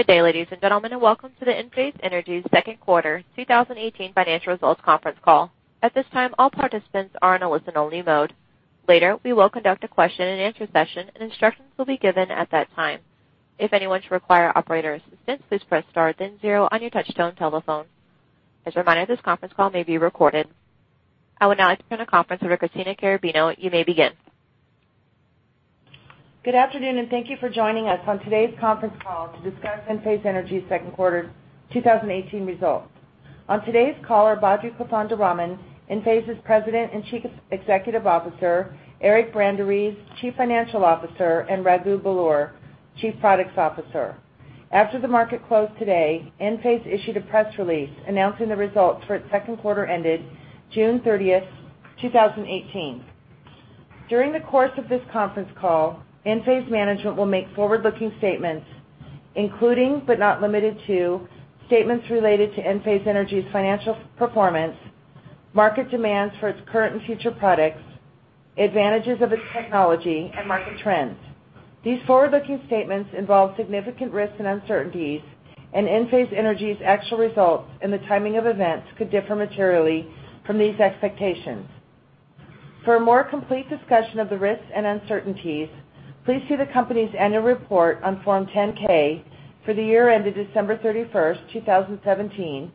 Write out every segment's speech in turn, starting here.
Good day, ladies and gentlemen, and welcome to the Enphase Energy second quarter 2018 financial results conference call. At this time, all participants are in a listen-only mode. Later, we will conduct a question and answer session, and instructions will be given at that time. If anyone should require operator assistance, please press star then zero on your touchtone telephone. As a reminder, this conference call may be recorded. I would now like to turn the conference over to Christina Carrabino. You may begin. Good afternoon, and thank you for joining us on today's conference call to discuss Enphase Energy's second quarter 2018 results. On today's call are Badri Kothandaraman, Enphase's President and Chief Executive Officer, Eric Branderiz, Chief Financial Officer, and Raghu Belur, Chief Products Officer. After the market closed today, Enphase issued a press release announcing the results for its second quarter ended June 30th, 2018. During the course of this conference call, Enphase management will make forward-looking statements, including, but not limited to, statements related to Enphase Energy's financial performance, market demands for its current and future products, advantages of its technology and market trends. These forward-looking statements involve significant risks and uncertainties, and Enphase Energy's actual results and the timing of events could differ materially from these expectations. For a more complete discussion of the risks and uncertainties, please see the company's annual report on Form 10-K for the year ended December 31st, 2017,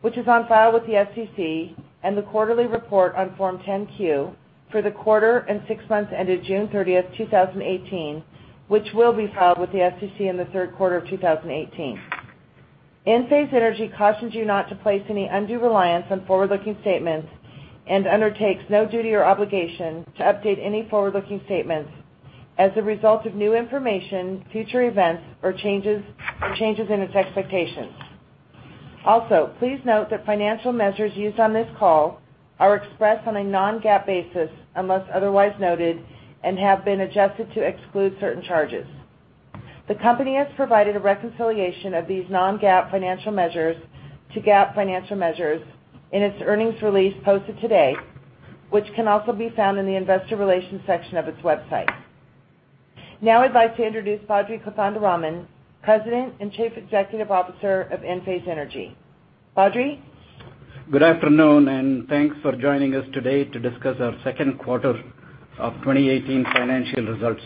which is on file with the SEC, and the quarterly report on Form 10-Q for the quarter and six months ended June 30th, 2018, which will be filed with the SEC in the third quarter of 2018. Enphase Energy cautions you not to place any undue reliance on forward-looking statements and undertakes no duty or obligation to update any forward-looking statements as a result of new information, future events, or changes in its expectations. Also, please note that financial measures used on this call are expressed on a non-GAAP basis unless otherwise noted and have been adjusted to exclude certain charges. The company has provided a reconciliation of these non-GAAP financial measures to GAAP financial measures in its earnings release posted today, which can also be found in the investor relations section of its website. Now I'd like to introduce Badri Kothandaraman, President and Chief Executive Officer of Enphase Energy. Badri? Good afternoon, and thanks for joining us today to discuss our second quarter of 2018 financial results.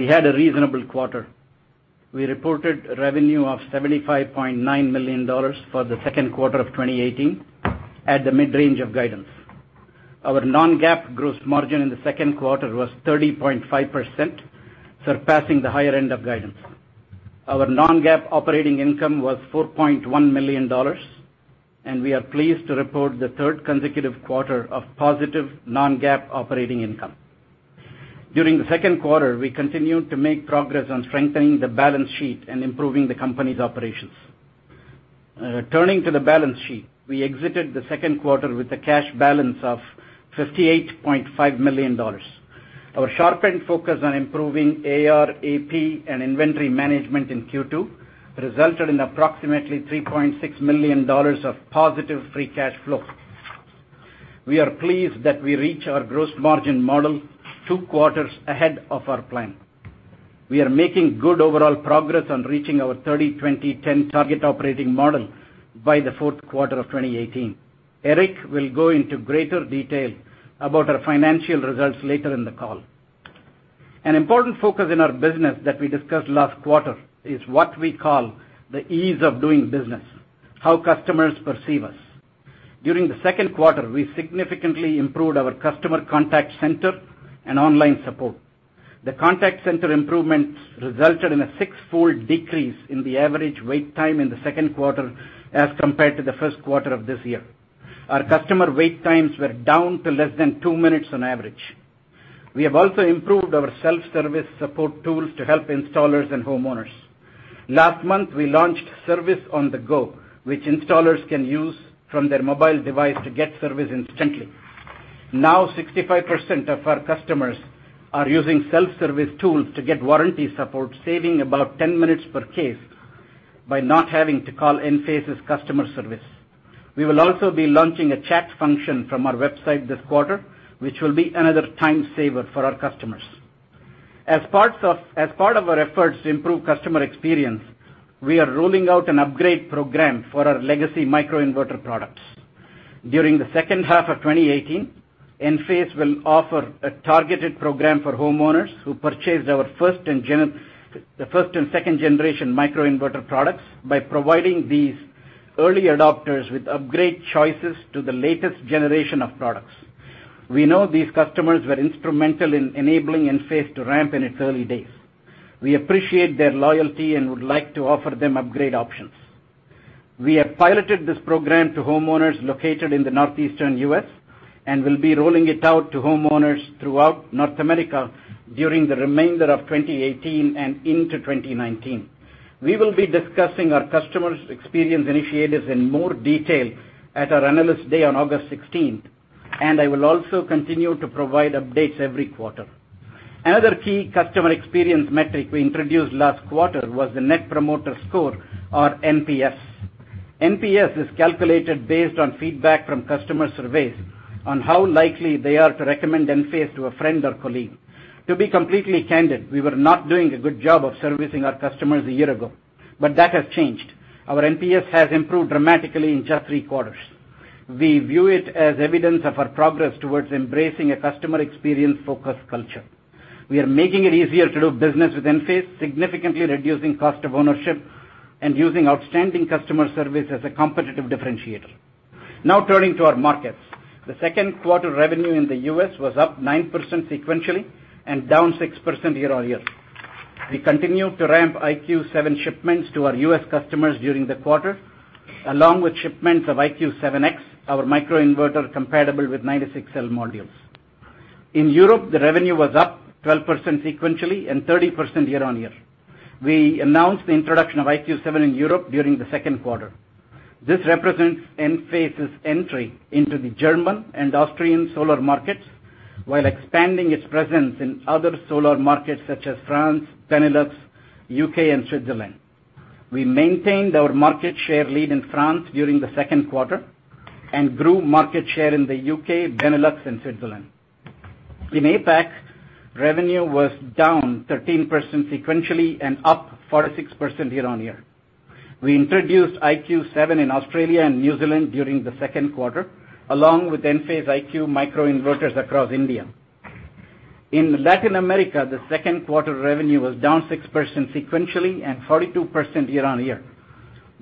We had a reasonable quarter. We reported revenue of $75.9 million for the second quarter of 2018 at the mid-range of guidance. Our non-GAAP gross margin in the second quarter was 30.5%, surpassing the higher end of guidance. Our non-GAAP operating income was $4.1 million, and we are pleased to report the third consecutive quarter of positive non-GAAP operating income. During the second quarter, we continued to make progress on strengthening the balance sheet and improving the company's operations. Turning to the balance sheet, we exited the second quarter with a cash balance of $58.5 million. Our sharpened focus on improving AR, AP, and inventory management in Q2 resulted in approximately $3.6 million of positive free cash flow. We are pleased that we reach our gross margin model two quarters ahead of our plan. We are making good overall progress on reaching our 30/20/10 target operating model by the fourth quarter of 2018. Eric will go into greater detail about our financial results later in the call. An important focus in our business that we discussed last quarter is what we call the ease of doing business, how customers perceive us. During the second quarter, we significantly improved our customer contact center and online support. The contact center improvements resulted in a six-fold decrease in the average wait time in the second quarter as compared to the first quarter of this year. Our customer wait times were down to less than two minutes on average. We have also improved our self-service support tools to help installers and homeowners. Last month, we launched Service on the Go, which installers can use from their mobile device to get service instantly. Now 65% of our customers are using self-service tools to get warranty support, saving about 10 minutes per case by not having to call Enphase's customer service. We will also be launching a chat function from our website this quarter, which will be another time saver for our customers. As part of our efforts to improve customer experience, we are rolling out an upgrade program for our legacy microinverter products. During the second half of 2018, Enphase will offer a targeted program for homeowners who purchased the first and second generation microinverter products by providing these early adopters with upgrade choices to the latest generation of products. We know these customers were instrumental in enabling Enphase to ramp in its early days. We appreciate their loyalty and would like to offer them upgrade options. We have piloted this program to homeowners located in the Northeastern U.S. and will be rolling it out to homeowners throughout North America during the remainder of 2018 and into 2019. We will be discussing our customers' experience initiatives in more detail at our Analyst Day on August 16th, and I will also continue to provide updates every quarter. Another key customer experience metric we introduced last quarter was the Net Promoter Score, or NPS. NPS is calculated based on feedback from customer surveys on how likely they are to recommend Enphase to a friend or colleague. To be completely candid, we were not doing a good job of servicing our customers a year ago, but that has changed. Our NPS has improved dramatically in just three quarters. We view it as evidence of our progress towards embracing a customer experience-focused culture. We are making it easier to do business with Enphase, significantly reducing cost of ownership, and using outstanding customer service as a competitive differentiator. Turning to our markets. The second quarter revenue in the U.S. was up 9% sequentially and down 6% year-on-year. We continued to ramp IQ7 shipments to our U.S. customers during the quarter, along with shipments of IQ7X, our microinverter compatible with 96L modules. In Europe, the revenue was up 12% sequentially and 30% year-on-year. We announced the introduction of IQ7 in Europe during the second quarter. This represents Enphase's entry into the German and Austrian solar markets while expanding its presence in other solar markets such as France, Benelux, U.K., and Switzerland. We maintained our market share lead in France during the second quarter and grew market share in the U.K., Benelux, and Switzerland. In APAC, revenue was down 13% sequentially and up 46% year-on-year. We introduced IQ7 in Australia and New Zealand during the second quarter, along with Enphase IQ microinverters across India. In Latin America, the second quarter revenue was down 6% sequentially and 42% year-on-year.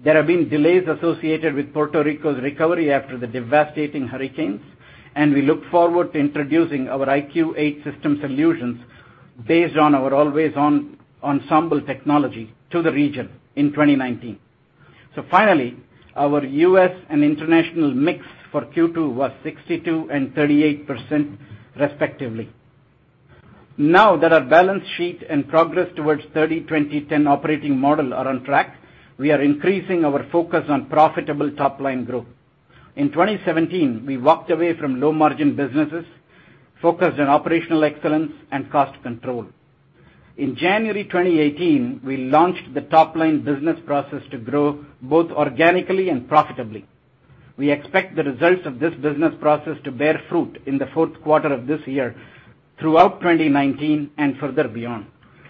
There have been delays associated with Puerto Rico's recovery after the devastating hurricanes, and we look forward to introducing our IQ 8 system solutions based on our always-on Ensemble technology to the region in 2019. Finally, our U.S. and international mix for Q2 was 62% and 38%, respectively. Now that our balance sheet and progress towards 30/20/10 operating model are on track, we are increasing our focus on profitable top-line growth. In 2017, we walked away from low-margin businesses, focused on operational excellence and cost control. In January 2018, we launched the top-line business process to grow both organically and profitably. We expect the results of this business process to bear fruit in the fourth quarter of this year, throughout 2019, and further beyond.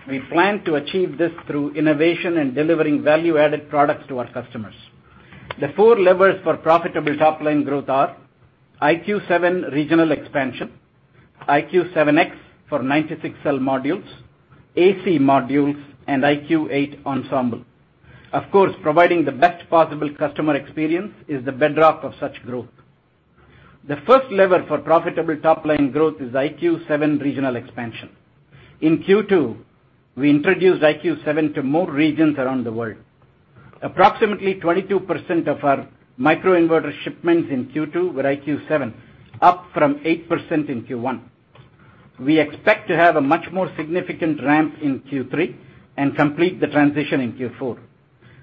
We plan to achieve this through innovation and delivering value-added products to our customers. The four levers for profitable top-line growth are IQ7 regional expansion, IQ7X for 96L modules, AC modules, and IQ 8 Ensemble. Of course, providing the best possible customer experience is the bedrock of such growth. The first lever for profitable top-line growth is IQ7 regional expansion. In Q2, we introduced IQ7 to more regions around the world. Approximately 22% of our microinverter shipments in Q2 were IQ7, up from 8% in Q1. We expect to have a much more significant ramp in Q3 and complete the transition in Q4.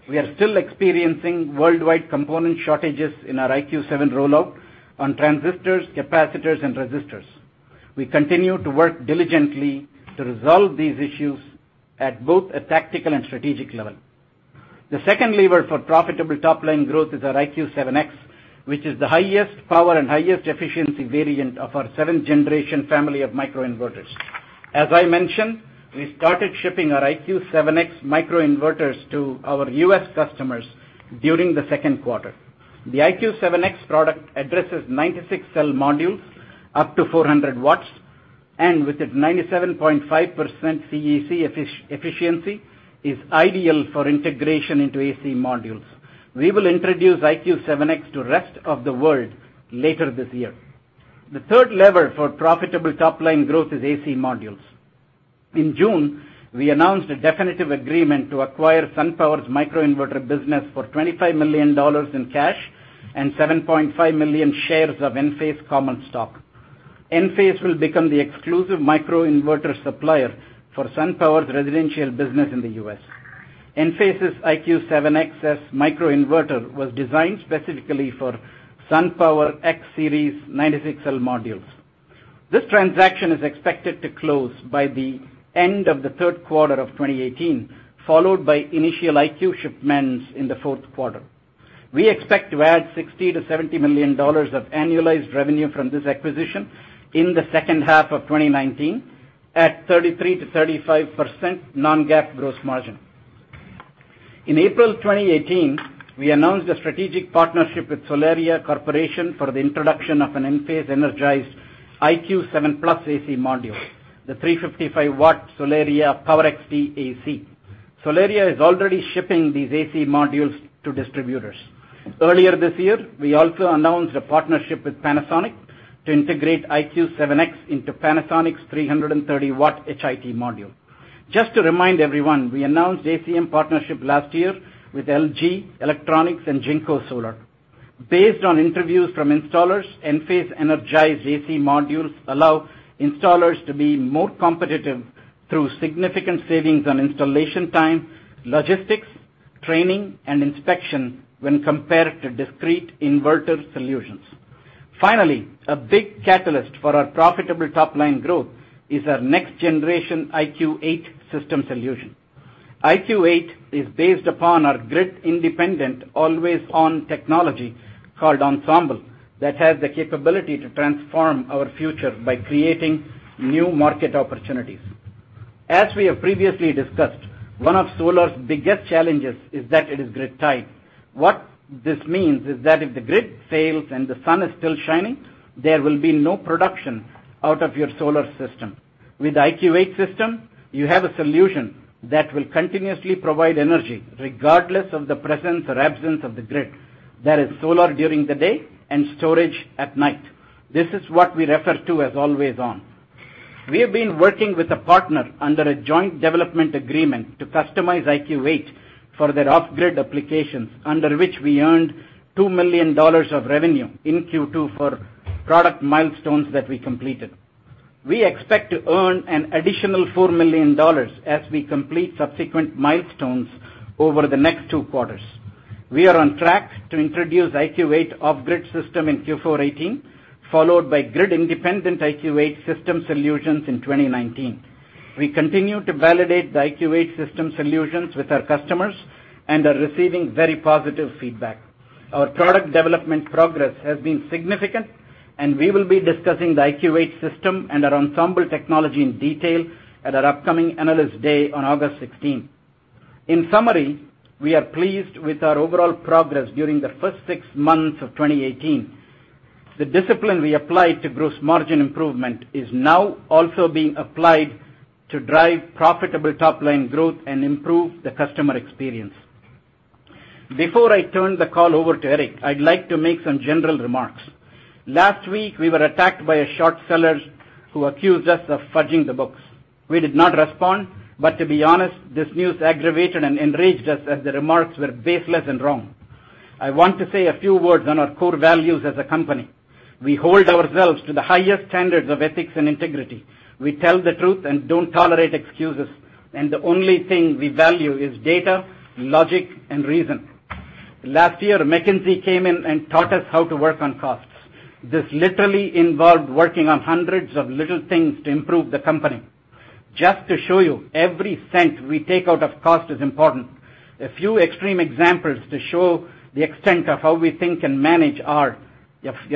We are still experiencing worldwide component shortages in our IQ7 rollout on transistors, capacitors, and resistors. We continue to work diligently to resolve these issues at both a tactical and strategic level. The second lever for profitable top-line growth is our IQ7X, which is the highest power and highest efficiency variant of our seventh-generation family of microinverters. As I mentioned, we started shipping our IQ7X microinverters to our U.S. customers during the second quarter. The IQ7X product addresses 96L modules up to 400 watts, and with its 97.5% CEC efficiency, is ideal for integration into AC modules. We will introduce IQ7X to rest of the world later this year. The third lever for profitable top-line growth is AC modules. In June, we announced a definitive agreement to acquire SunPower's microinverter business for $25 million in cash and 7.5 million shares of Enphase common stock. Enphase will become the exclusive microinverter supplier for SunPower's residential business in the U.S. Enphase's IQ7X's microinverter was designed specifically for SunPower X-Series 96L modules. This transaction is expected to close by the end of the third quarter of 2018, followed by initial IQ shipments in the fourth quarter. We expect to add $60 million-$70 million of annualized revenue from this acquisition in the second half of 2019 at 33%-35% non-GAAP gross margin. In April 2018, we announced a strategic partnership with Solaria Corporation for the introduction of an Enphase Energized IQ7+ AC module, the 355-watt Solaria PowerXT AC. Solaria is already shipping these AC modules to distributors. Earlier this year, we also announced a partnership with Panasonic to integrate IQ7X into Panasonic's 330-watt HIT module. Just to remind everyone, we announced ACM partnership last year with LG Electronics and Jinko Solar. Based on interviews from installers, Enphase Energized AC modules allow installers to be more competitive through significant savings on installation time, logistics, training, and inspection when compared to discrete inverter solutions. Finally, a big catalyst for our profitable top-line growth is our next generation IQ 8 system solution. IQ 8 is based upon our grid independent, always-on technology called Ensemble, that has the capability to transform our future by creating new market opportunities. As we have previously discussed, one of solar's biggest challenges is that it is grid-tied. What this means is that if the grid fails and the sun is still shining, there will be no production out of your solar system. With the IQ 8 system, you have a solution that will continuously provide energy regardless of the presence or absence of the grid. That is solar during the day and storage at night. This is what we refer to as always-on. We have been working with a partner under a joint development agreement to customize IQ 8 for their off-grid applications, under which we earned $2 million of revenue in Q2 for product milestones that we completed. We expect to earn an additional $4 million as we complete subsequent milestones over the next two quarters. We are on track to introduce IQ 8 off-grid system in Q4 2018, followed by grid-independent IQ 8 system solutions in 2019. We continue to validate the IQ 8 system solutions with our customers and are receiving very positive feedback. Our product development progress has been significant. We will be discussing the IQ 8 system and our Ensemble technology in detail at our upcoming Analyst Day on August 16th. In summary, we are pleased with our overall progress during the first six months of 2018. The discipline we applied to gross margin improvement is now also being applied to drive profitable top-line growth and improve the customer experience. Before I turn the call over to Eric, I'd like to make some general remarks. Last week, we were attacked by a short seller who accused us of fudging the books. We did not respond, but to be honest, this news aggravated and enraged us, as the remarks were baseless and wrong. I want to say a few words on our core values as a company. We hold ourselves to the highest standards of ethics and integrity. We tell the truth and don't tolerate excuses, the only thing we value is data, logic, and reason. Last year, McKinsey came in and taught us how to work on costs. This literally involved working on hundreds of little things to improve the company. Just to show you, every cent we take out of cost is important. A few extreme examples to show the extent of how we think and manage are,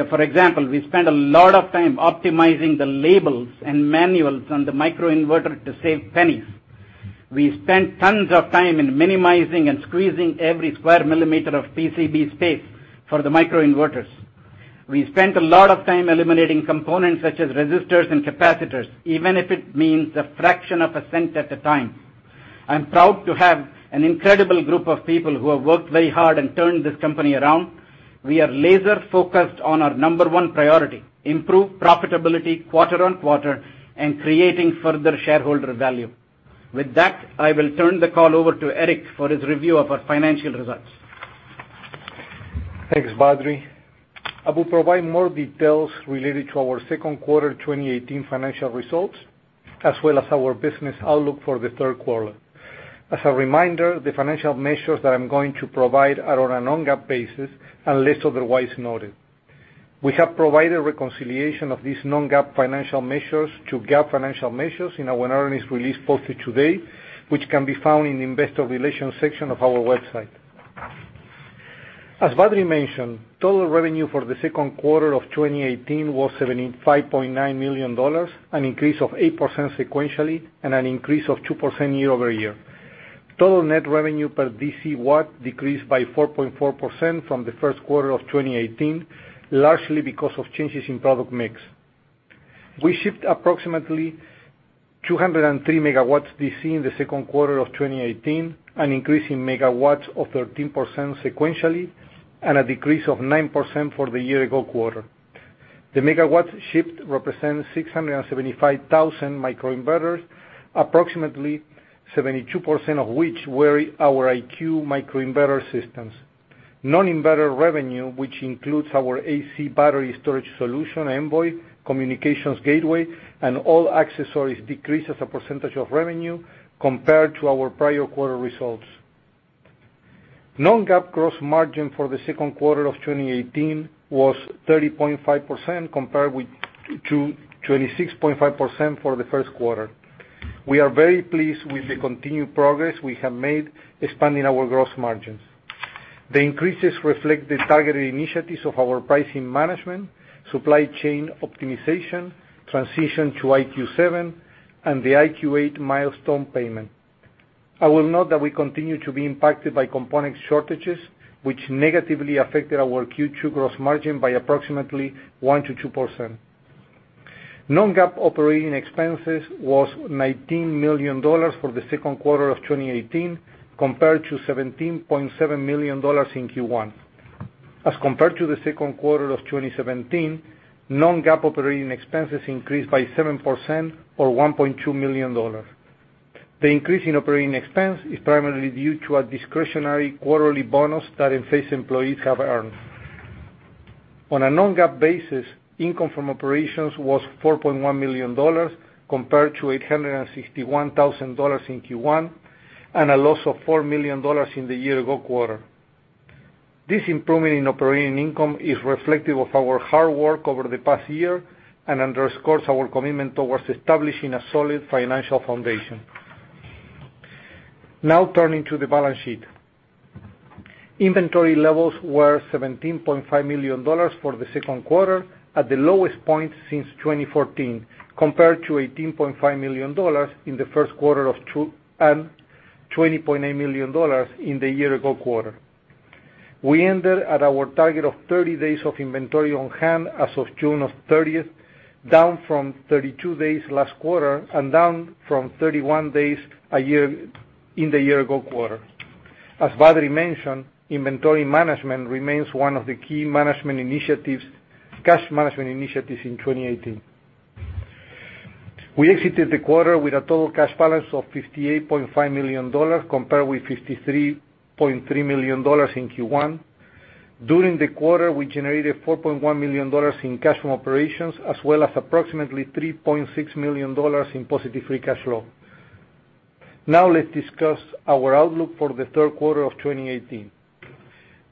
for example, we spend a lot of time optimizing the labels and manuals on the microinverter to save pennies. We spend tons of time in minimizing and squeezing every square millimeter of PCB space for the microinverters. We spent a lot of time eliminating components such as resistors and capacitors, even if it means a fraction of a cent at a time. I'm proud to have an incredible group of people who have worked very hard and turned this company around. We are laser-focused on our number one priority, improve profitability quarter-on-quarter, and creating further shareholder value. With that, I will turn the call over to Eric for his review of our financial results. Thanks, Badri. I will provide more details related to our second quarter 2018 financial results, as well as our business outlook for the third quarter. As a reminder, the financial measures that I'm going to provide are on a non-GAAP basis, unless otherwise noted. We have provided reconciliation of these non-GAAP financial measures to GAAP financial measures in our earnings release posted today, which can be found in the investor relations section of our website. As Badri mentioned, total revenue for the second quarter of 2018 was $75.9 million, an increase of 8% sequentially and an increase of 2% year-over-year. Total net revenue per DC watt decreased by 4.4% from the first quarter of 2018, largely because of changes in product mix. We shipped approximately 203 MW DC in the second quarter of 2018, an increase in megawatts of 13% sequentially and a decrease of 9% for the year-ago quarter. The megawatts shipped represents 675,000 microinverters, approximately 72% of which were our IQ microinverter systems. Non-inverter revenue, which includes our AC battery storage solution, Envoy, communications gateway, and all accessories, decreased as a percentage of revenue compared to our prior quarter results. Non-GAAP gross margin for the second quarter of 2018 was 30.5% compared to 26.5% for the first quarter. We are very pleased with the continued progress we have made expanding our gross margins. The increases reflect the targeted initiatives of our pricing management, supply chain optimization, transition to IQ 7, and the IQ 8 milestone payment. I will note that we continue to be impacted by component shortages, which negatively affected our Q2 gross margin by approximately 1%-2%. Non-GAAP operating expenses was $19 million for the second quarter of 2018 compared to $17.7 million in Q1. As compared to the second quarter of 2017, non-GAAP operating expenses increased by 7% or $1.2 million. The increase in operating expense is primarily due to a discretionary quarterly bonus that Enphase employees have earned. On a non-GAAP basis. Income from operations was $4.1 million compared to $861,000 in Q1, and a loss of $4 million in the year ago quarter. This improvement in operating income is reflective of our hard work over the past year and underscores our commitment towards establishing a solid financial foundation. Now turning to the balance sheet. Inventory levels were $17.5 million for the second quarter, at the lowest point since 2014, compared to $18.5 million in the first quarter and $20.8 million in the year ago quarter. We ended at our target of 30 days of inventory on hand as of June 30th, down from 32 days last quarter and down from 31 days in the year ago quarter. As Badri mentioned, inventory management remains one of the key cash management initiatives in 2018. We exited the quarter with a total cash balance of $58.5 million, compared with $53.3 million in Q1. During the quarter, we generated $4.1 million in cash from operations as well as approximately $3.6 million in positive free cash flow. Now let's discuss our outlook for the third quarter of 2018.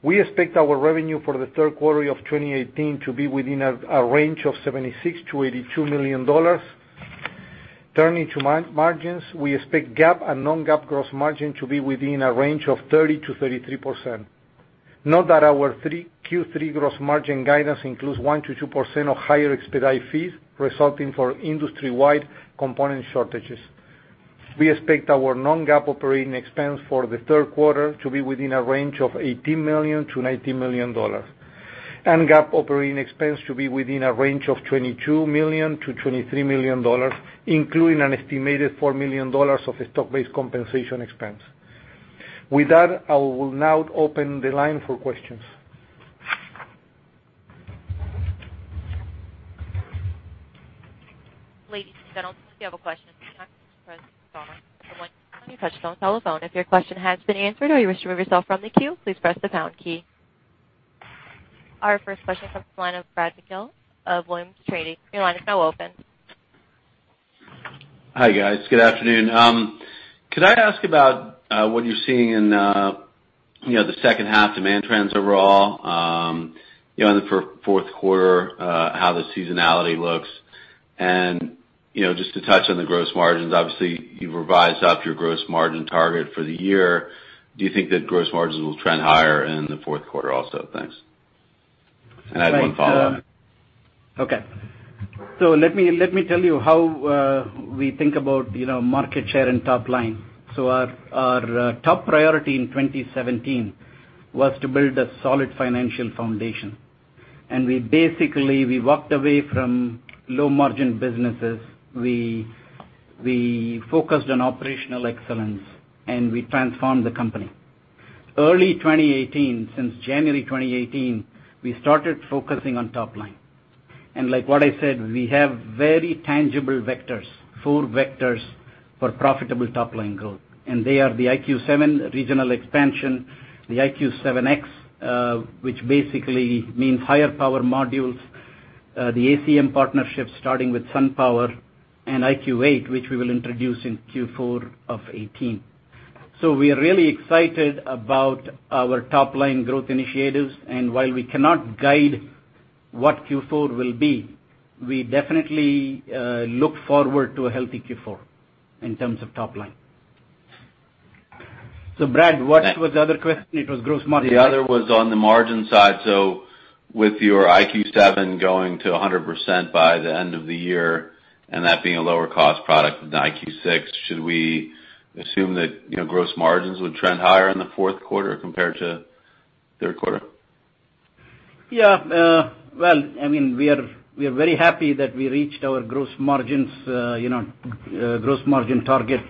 We expect our revenue for the third quarter of 2018 to be within a range of $76 million-$82 million. Turning to margins, we expect GAAP and non-GAAP gross margin to be within a range of 30%-33%. Note that our Q3 gross margin guidance includes 1%-2% of higher expedite fees resulting for industry-wide component shortages. We expect our non-GAAP operating expense for the third quarter to be within a range of $18 million-$19 million, and GAAP operating expense to be within a range of $22 million-$23 million, including an estimated $4 million of stock-based compensation expense. With that, I will now open the line for questions. Ladies and gentlemen, if you have a question, please press star one on your touchtone telephone. If your question has been answered or you wish to remove yourself from the queue, please press the pound key. Our first question comes from the line of Brad McGill of Williams Trading. Your line is now open. Hi, guys. Good afternoon. Could I ask about what you're seeing in the second half demand trends overall, in the fourth quarter, how the seasonality looks? Just to touch on the gross margins, obviously you've revised up your gross margin target for the year. Do you think that gross margins will trend higher in the fourth quarter also? Thanks. I have one follow-on. Okay. Let me tell you how we think about market share and top line. Our top priority in 2017 was to build a solid financial foundation, and we basically walked away from low-margin businesses. We focused on operational excellence, and we transformed the company. Early 2018, since January 2018, we started focusing on top line. Like what I said, we have very tangible vectors, four vectors for profitable top-line growth. They are the IQ 7 regional expansion, the IQ 7X, which basically means higher power modules, the ACM partnership starting with SunPower, and IQ 8, which we will introduce in Q4 of 2018. We are really excited about our top-line growth initiatives. While we cannot guide what Q4 will be, we definitely look forward to a healthy Q4 in terms of top line. Brad, what was the other question? It was gross margin. The other was on the margin side. With your IQ 7 going to 100% by the end of the year, and that being a lower cost product than IQ 6, should we assume that gross margins would trend higher in the fourth quarter compared to third quarter? Yeah. Well, we are very happy that we reached our gross margin target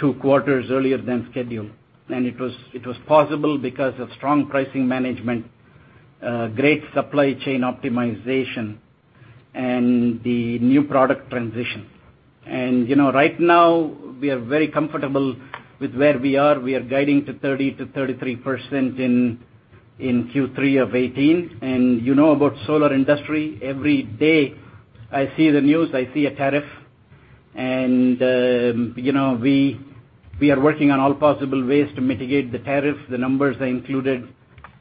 two quarters earlier than scheduled. It was possible because of strong pricing management, great supply chain optimization, and the new product transition. Right now, we are very comfortable with where we are. We are guiding to 30%-33% in Q3 of 2018. You know about solar industry. Every day I see the news, I see a tariff, and we are working on all possible ways to mitigate the tariff. The numbers I included,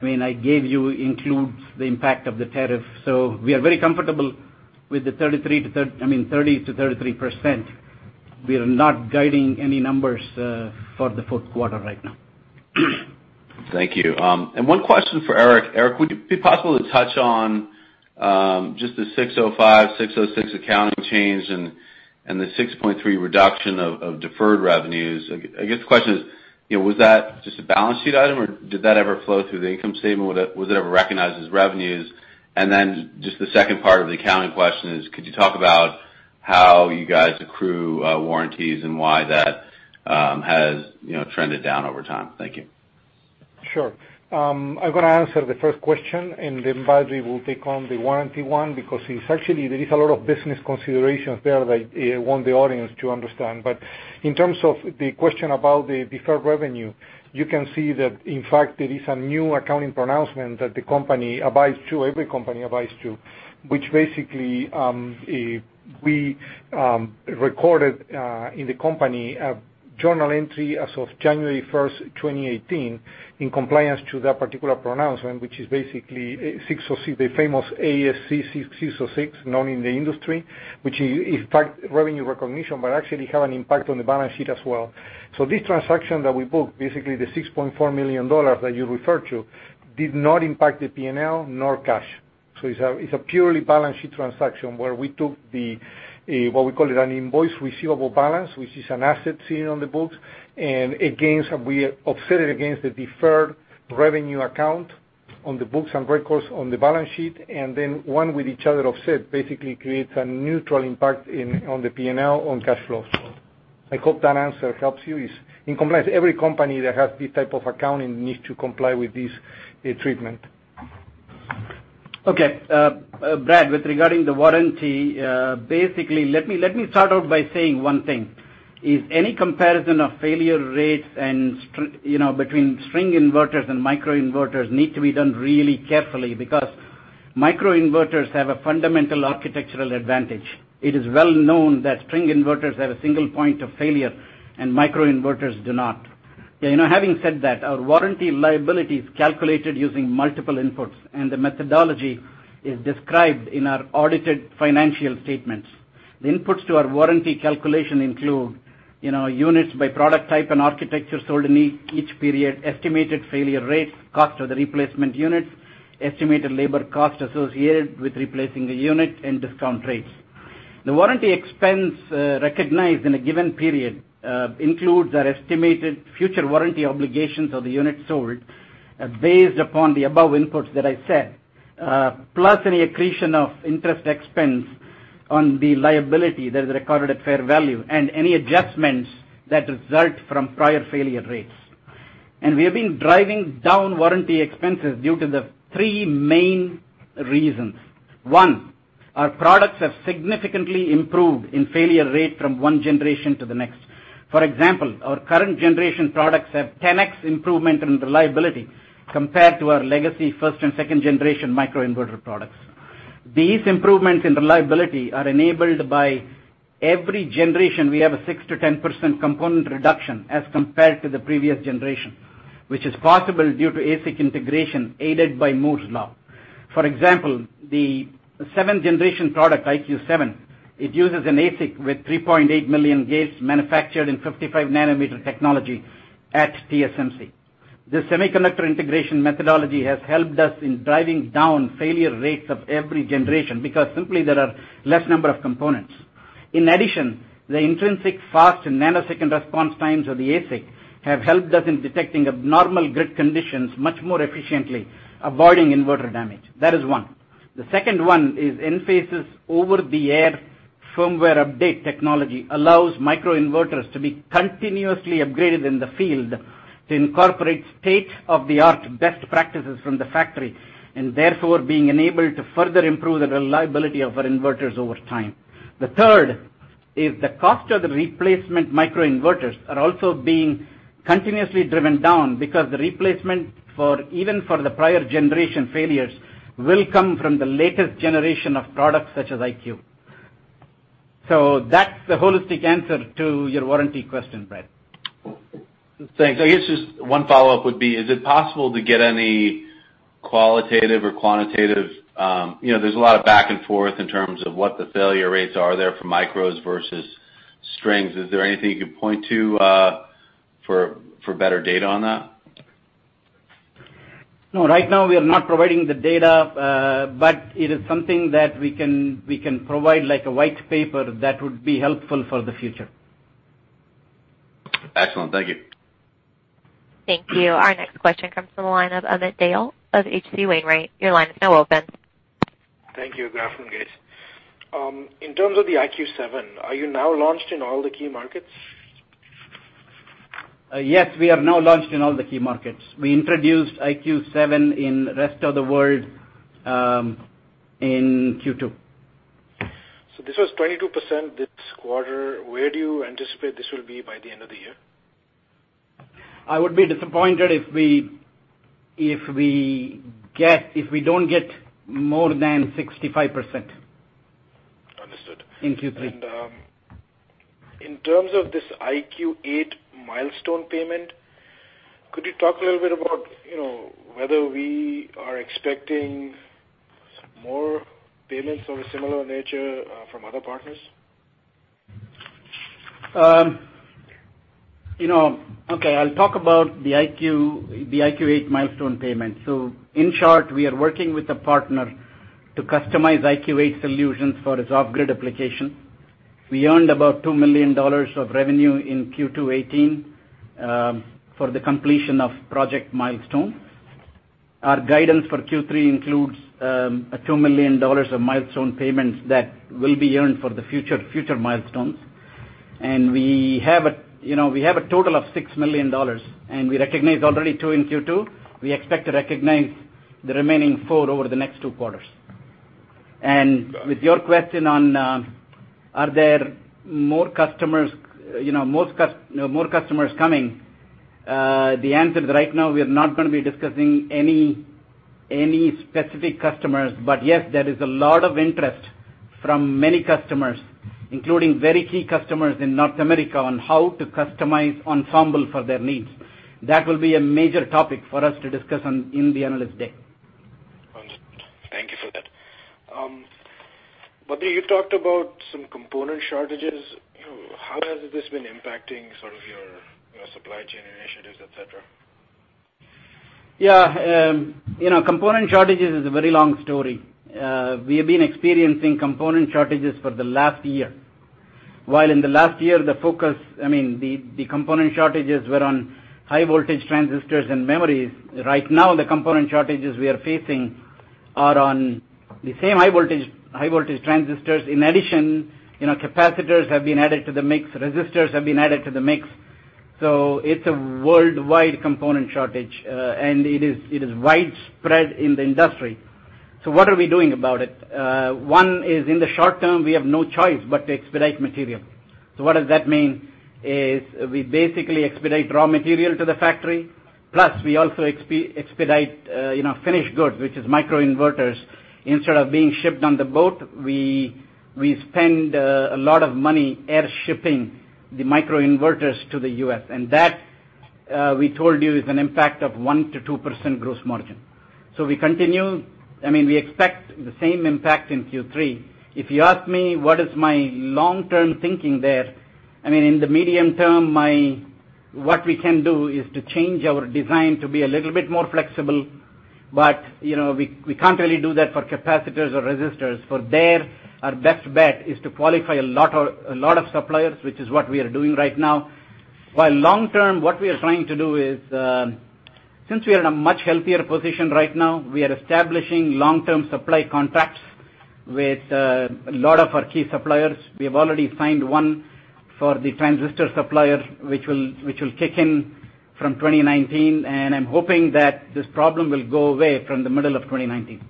I gave you, includes the impact of the tariff. We are very comfortable with the 30%-33%. We are not guiding any numbers for the fourth quarter right now. Thank you. One question for Eric. Eric, would it be possible to touch on just the 605, 606 accounting change and the $6.3 reduction of deferred revenues? I guess the question is: Was that just a balance sheet item, or did that ever flow through the income statement? Was it ever recognized as revenues? Then just the second part of the accounting question is: Could you talk about how you guys accrue warranties and why that has trended down over time? Thank you. Sure. I'm going to answer the first question, then Badri will take on the warranty one, because actually, there is a lot of business considerations there that I want the audience to understand. In terms of the question about the deferred revenue, you can see that, in fact, there is a new accounting pronouncement that every company abides to, which basically, we recorded in the company a journal entry as of January 1st, 2018, in compliance to that particular pronouncement, which is basically the famous ASC 606, known in the industry, which impacts revenue recognition, but actually have an impact on the balance sheet as well. This transaction that we booked, basically the $6.4 million that you referred to, did not impact the P&L nor cash. It's a purely balance sheet transaction where we took the, what we call it, an invoice receivable balance, which is an asset seen on the books, we offset it against the deferred revenue account on the books and records on the balance sheet, then one with each other offset, basically creates a neutral impact on the P&L on cash flows. I hope that answer helps you. In compliance, every company that has this type of accounting needs to comply with this treatment. Okay. Brad, with regarding the warranty, basically, let me start out by saying one thing, is any comparison of failure rates between string inverters and microinverters need to be done really carefully, because microinverters have a fundamental architectural advantage. It is well known that string inverters have a single point of failure and microinverters do not. Having said that, our warranty liability is calculated using multiple inputs, the methodology is described in our audited financial statements. The inputs to our warranty calculation include units by product type and architecture sold in each period, estimated failure rates, cost of the replacement units, estimated labor cost associated with replacing the unit, discount rates. The warranty expense recognized in a given period includes our estimated future warranty obligations of the units sold based upon the above inputs that I said, plus any accretion of interest expense on the liability that is recorded at fair value, and any adjustments that result from prior failure rates. We have been driving down warranty expenses due to the three main reasons. One, our products have significantly improved in failure rate from one generation to the next. For example, our current generation products have 10x improvement in reliability compared to our legacy first and second generation microinverter products. These improvements in reliability are enabled by every generation. We have a 6%-10% component reduction as compared to the previous generation, which is possible due to ASIC integration aided by Moore's Law. For example, the seventh-generation product, IQ7, it uses an ASIC with 3.8 million gates manufactured in 55 nanometer technology at TSMC. The semiconductor integration methodology has helped us in driving down failure rates of every generation, because simply there are less number of components. In addition, the intrinsic fast and nanosecond response times of the ASIC have helped us in detecting abnormal grid conditions much more efficiently, avoiding inverter damage. That is one. The second one is Enphase's over-the-air firmware update technology allows microinverters to be continuously upgraded in the field to incorporate state-of-the-art best practices from the factory, and therefore, being enabled to further improve the reliability of our inverters over time. The third is the cost of the replacement microinverters are also being continuously driven down because the replacement, even for the prior generation failures, will come from the latest generation of products such as IQ. That's the holistic answer to your warranty question, Brad. Thanks. I guess just one follow-up would be, is it possible to get any qualitative or quantitative. There's a lot of back and forth in terms of what the failure rates are there for micros versus strings. Is there anything you could point to for better data on that? No, right now we are not providing the data, but it is something that we can provide like a white paper that would be helpful for the future. Excellent. Thank you. Thank you. Our next question comes from the line of Amit Dayal of H.C. Wainwright & Co. Your line is now open. Thank you. Good afternoon, guys. In terms of the IQ 7, are you now launched in all the key markets? We are now launched in all the key markets. We introduced IQ7 in rest of the world in Q2. This was 22% this quarter. Where do you anticipate this will be by the end of the year? I would be disappointed if we don't get more than 65%. Understood. In Q3. In terms of this IQ8 milestone payment, could you talk a little bit about whether we are expecting more payments of a similar nature from other partners? Okay. I'll talk about the IQ8 milestone payment. In short, we are working with a partner to customize IQ8 solutions for his off-grid application. We earned about $2 million of revenue in Q2 2018 for the completion of project milestone. Our guidance for Q3 includes a $2 million of milestone payments that will be earned for the future milestones. We have a total of $6 million, and we recognized already two in Q2. We expect to recognize the remaining four over the next two quarters. With your question on are there more customers coming, the answer is right now, we are not going to be discussing any specific customers. But yes, there is a lot of interest from many customers, including very key customers in North America, on how to customize Ensemble for their needs. That will be a major topic for us to discuss in the Analyst Day. Understood. Thank you for that. Badri, you talked about some component shortages. How has this been impacting sort of your supply chain initiatives, et cetera? Yeah. Component shortages is a very long story. We have been experiencing component shortages for the last year. While in the last year, the focus, the component shortages were on high voltage transistors and memories. Right now, the component shortages we are facing are on the same high voltage transistors. In addition, capacitors have been added to the mix, resistors have been added to the mix. It's a worldwide component shortage, and it is widespread in the industry. What are we doing about it? One is, in the short term, we have no choice but to expedite material. What does that mean? Is we basically expedite raw material to the factory, plus we also expedite finished goods, which is microinverters. Instead of being shipped on the boat, we spend a lot of money air shipping the microinverters to the U.S. That, we told you, is an impact of 1%-2% gross margin. We continue. We expect the same impact in Q3. If you ask me what is my long-term thinking there, in the medium term, what we can do is to change our design to be a little bit more flexible. We can't really do that for capacitors or resistors. For there, our best bet is to qualify a lot of suppliers, which is what we are doing right now. Long term, what we are trying to do is, since we are in a much healthier position right now, we are establishing long-term supply contracts with a lot of our key suppliers. We have already signed one for the transistor supplier, which will kick in from 2019, and I'm hoping that this problem will go away from the middle of 2019.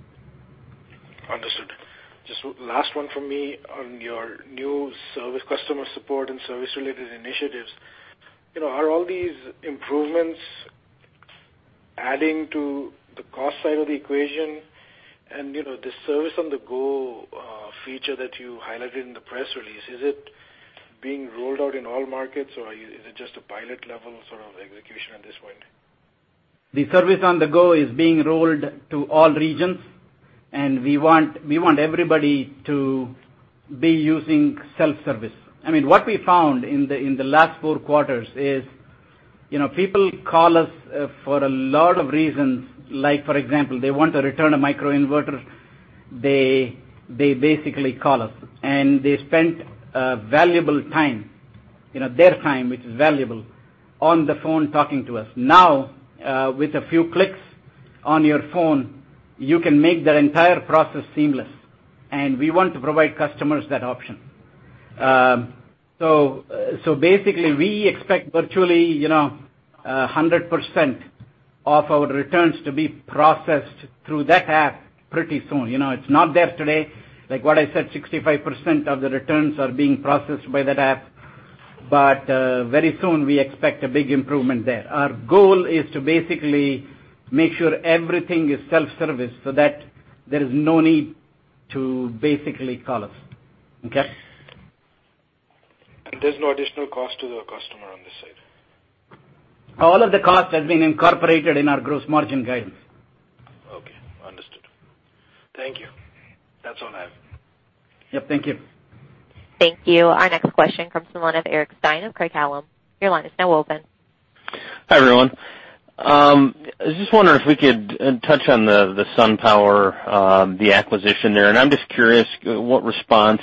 Understood. Just last one from me on your new service customer support and service-related initiatives. Are all these improvements adding to the cost side of the equation? The Service on the Go feature that you highlighted in the press release, is it being rolled out in all markets, or is it just a pilot-level sort of execution at this point? The Service on the Go is being rolled to all regions, we want everybody to be using self-service. What we found in the last four quarters is, people call us for a lot of reasons. For example, they want to return a microinverter. They basically call us, they spent valuable time, their time, which is valuable, on the phone talking to us. Now, with a few clicks on your phone, you can make that entire process seamless. We want to provide customers that option. Basically, we expect virtually 100% of our returns to be processed through that app pretty soon. It's not there today. What I said, 65% of the returns are being processed by that app. Very soon, we expect a big improvement there. Our goal is to basically make sure everything is self-service so that there is no need to basically call us. Okay? There's no additional cost to the customer on this side? All of the cost has been incorporated in our gross margin guidance. Okay. Understood. Thank you. That's all I have. Yep. Thank you. Thank you. Our next question comes from the line of Eric Stine of Craig-Hallum. Your line is now open. Hi, everyone. I was just wondering if we could touch on the SunPower, the acquisition there. I'm just curious what response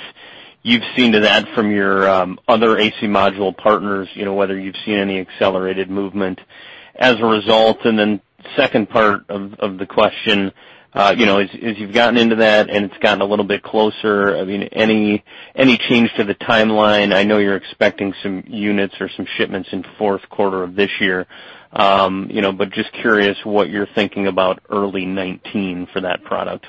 you've seen to that from your other AC module partners, whether you've seen any accelerated movement as a result. Then second part of the question, as you've gotten into that and it's gotten a little bit closer, any change to the timeline? I know you're expecting some units or some shipments in fourth quarter of this year. Just curious what you're thinking about early 2019 for that product.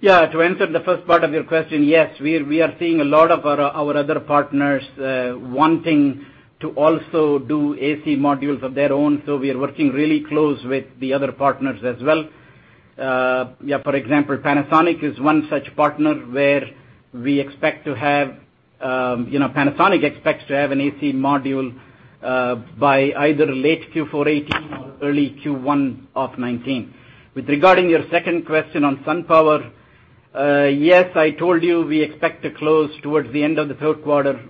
Yeah. To answer the first part of your question, yes, we are seeing a lot of our other partners wanting to also do AC modules of their own. We are working really close with the other partners as well. For example, Panasonic is one such partner where Panasonic expects to have an AC module by either late Q4 2018 or early Q1 of 2019. With regarding your second question on SunPower, yes, I told you we expect to close towards the end of the third quarter.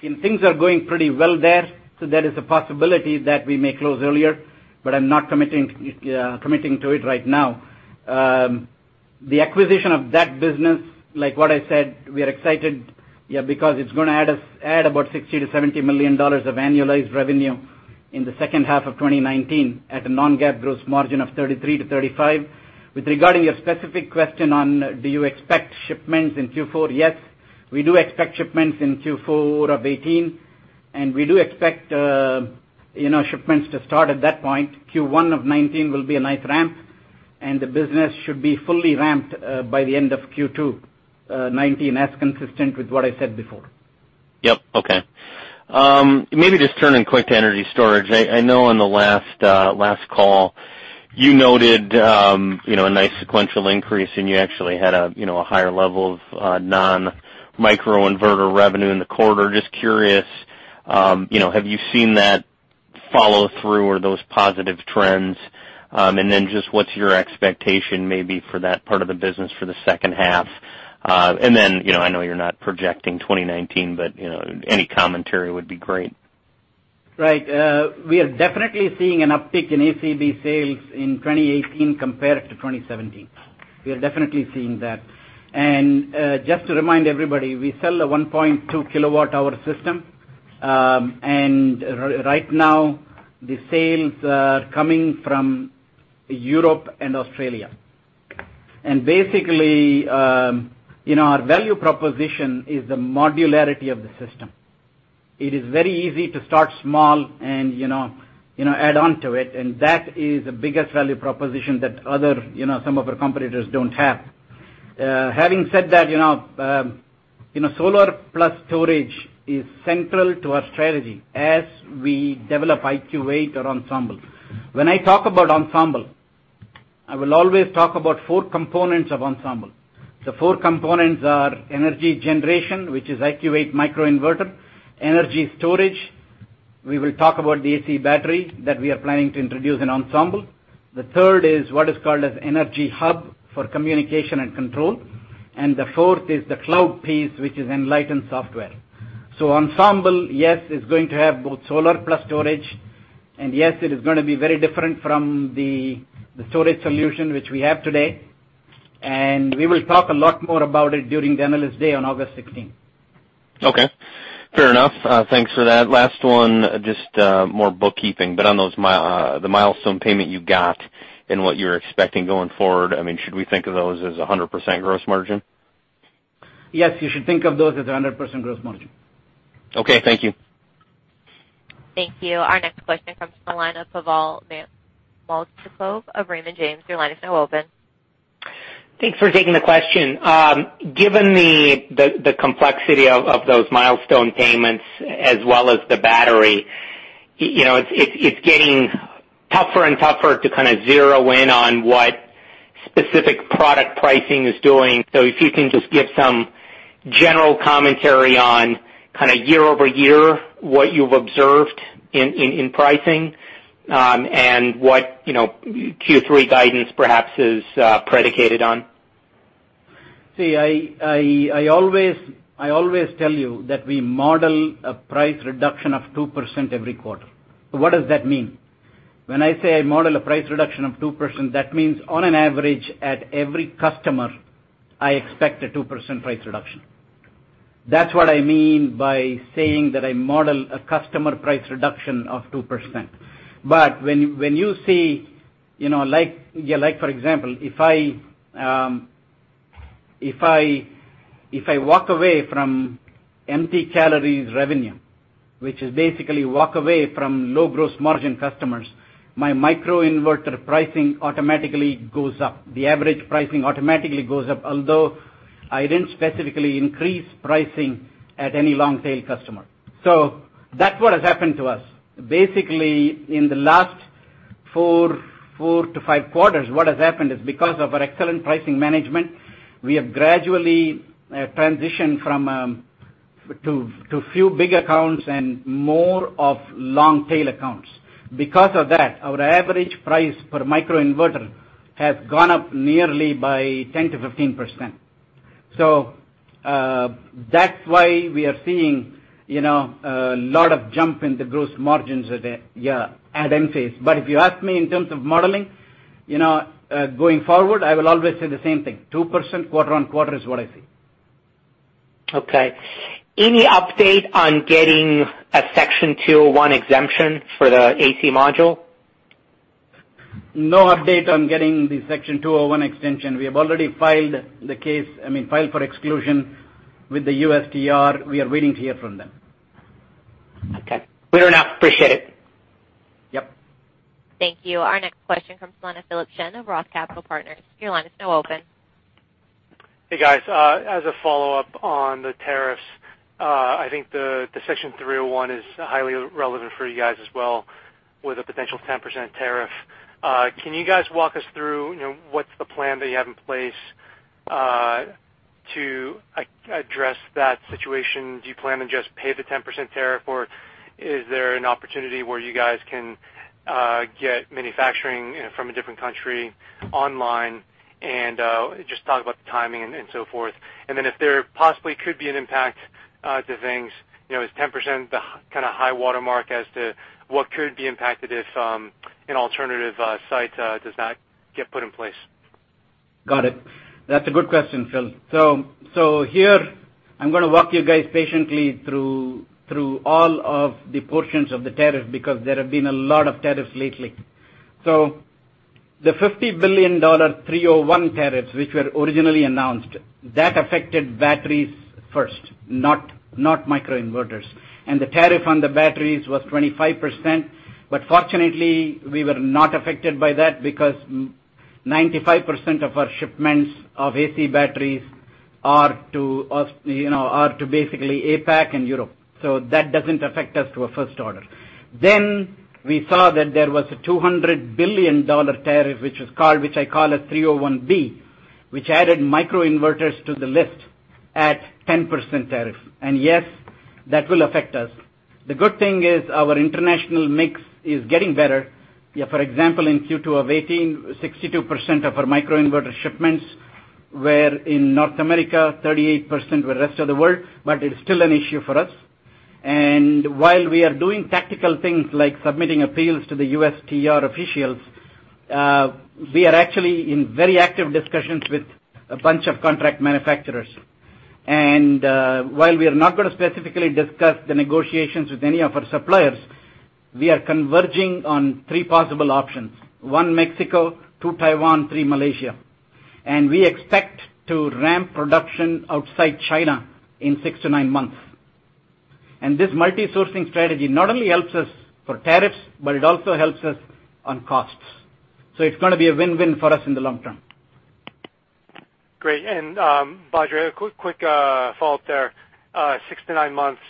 Things are going pretty well there is a possibility that we may close earlier, but I'm not committing to it right now. The acquisition of that business, like what I said, we are excited because it's going to add about $60 million-$70 million of annualized revenue in the second half of 2019, at a non-GAAP gross margin of 33%-35%. Regarding your specific question on, do you expect shipments in Q4? Yes, we do expect shipments in Q4 of 2018. We do expect shipments to start at that point. Q1 of 2019 will be a nice ramp. The business should be fully ramped by the end of Q2 2019, as consistent with what I said before. Yep. Okay. Maybe just turning quick to energy storage. I know on the last call, you noted a nice sequential increase. You actually had a higher level of non-microinverter revenue in the quarter. Just curious, have you seen that follow through or those positive trends? Just what's your expectation maybe for that part of the business for the second half? Then, I know you're not projecting 2019, any commentary would be great. Right. We are definitely seeing an uptick in ACB sales in 2018 compared to 2017. We are definitely seeing that. Just to remind everybody, we sell a 1.2 kilowatt-hour system. Right now, the sales are coming from Europe and Australia. Basically, our value proposition is the modularity of the system. It is very easy to start small and add onto it. That is the biggest value proposition that some of our competitors don't have. Having said that, solar plus storage is central to our strategy as we develop IQ 8 or Ensemble. When I talk about Ensemble, I will always talk about four components of Ensemble. The four components are energy generation, which is IQ 8 microinverter. Energy storage, we will talk about the AC Battery that we are planning to introduce in Ensemble. The third is what is called as energy hub for communication and control. The fourth is the cloud piece, which is Enlighten software. Ensemble, yes, is going to have both solar plus storage. Yes, it is going to be very different from the storage solution which we have today. We will talk a lot more about it during the Analyst Day on August 16th. Okay. Fair enough. Thanks for that. Last one, just more bookkeeping, but on the milestone payment you got and what you're expecting going forward, should we think of those as 100% Gross Margin? Yes, you should think of those as 100% Gross Margin. Okay, thank you. Thank you. Our next question comes from the line of Pavel Molchanov of Raymond James. Your line is now open. Thanks for taking the question. Given the complexity of those milestone payments as well as the battery, it's getting tougher and tougher to kind of zero in on what specific product pricing is doing. If you can just give some general commentary on kind of year-over-year, what you've observed in pricing, and what Q3 guidance perhaps is predicated on. See, I always tell you that we model a price reduction of 2% every quarter. What does that mean? When I say I model a price reduction of 2%, that means on an average, at every customer, I expect a 2% price reduction. That's what I mean by saying that I model a customer price reduction of 2%. When you see, for example, if I walk away from empty calories revenue, which is basically walk away from low gross margin customers, my microinverter pricing automatically goes up. The average pricing automatically goes up, although I didn't specifically increase pricing at any long-tail customer. That's what has happened to us. Basically, in the last four to five quarters, what has happened is because of our excellent pricing management, we have gradually transitioned to few big accounts and more of long-tail accounts. Because of that, our average price per microinverter has gone up nearly by 10%-15%. That's why we are seeing a lot of jump in the gross margins at Enphase. If you ask me in terms of modeling, going forward, I will always say the same thing, 2% quarter-on-quarter is what I see. Okay. Any update on getting a Section 201 exemption for the AC module? No update on getting the Section 201 extension. We have already filed for exclusion with the USTR. We are waiting to hear from them. Okay. Fair enough. Appreciate it. Yep. Thank you. Our next question comes from the line of Philip Shen of ROTH Capital Partners. Your line is now open. Hey, guys. As a follow-up on the tariffs, I think the Section 301 is highly relevant for you guys as well, with a potential 10% tariff. Can you guys walk us through what's the plan that you have in place to address that situation? Do you plan to just pay the 10% tariff, or is there an opportunity where you guys can get manufacturing from a different country online, and just talk about the timing and so forth. If there possibly could be an impact to things. Is 10% the kind of high watermark as to what could be impacted if an alternative site does not get put in place? Got it. That's a good question, Phil. Here, I'm going to walk you guys patiently through all of the portions of the tariff, because there have been a lot of tariffs lately. The $50 billion 301 tariffs, which were originally announced, that affected batteries first, not microinverters. The tariff on the batteries was 25%, but fortunately, we were not affected by that because 95% of our shipments of AC batteries are to basically APAC and Europe. That doesn't affect us to a first order. Then we saw that there was a $200 billion tariff, which I call a 301B, which added microinverters to the list at 10% tariff. Yes, that will affect us. The good thing is our international mix is getting better. For example, in Q2 of 2018, 62% of our microinverter shipments were in North America, 38% were rest of the world, it's still an issue for us. While we are doing tactical things like submitting appeals to the USTR officials, we are actually in very active discussions with a bunch of contract manufacturers. While we are not going to specifically discuss the negotiations with any of our suppliers, we are converging on three possible options. One, Mexico, two, Taiwan, three, Malaysia. We expect to ramp production outside China in six to nine months. This multi-sourcing strategy not only helps us for tariffs, but it also helps us on costs. It's going to be a win-win for us in the long term. Great. Badri, a quick follow-up there. Six to nine months,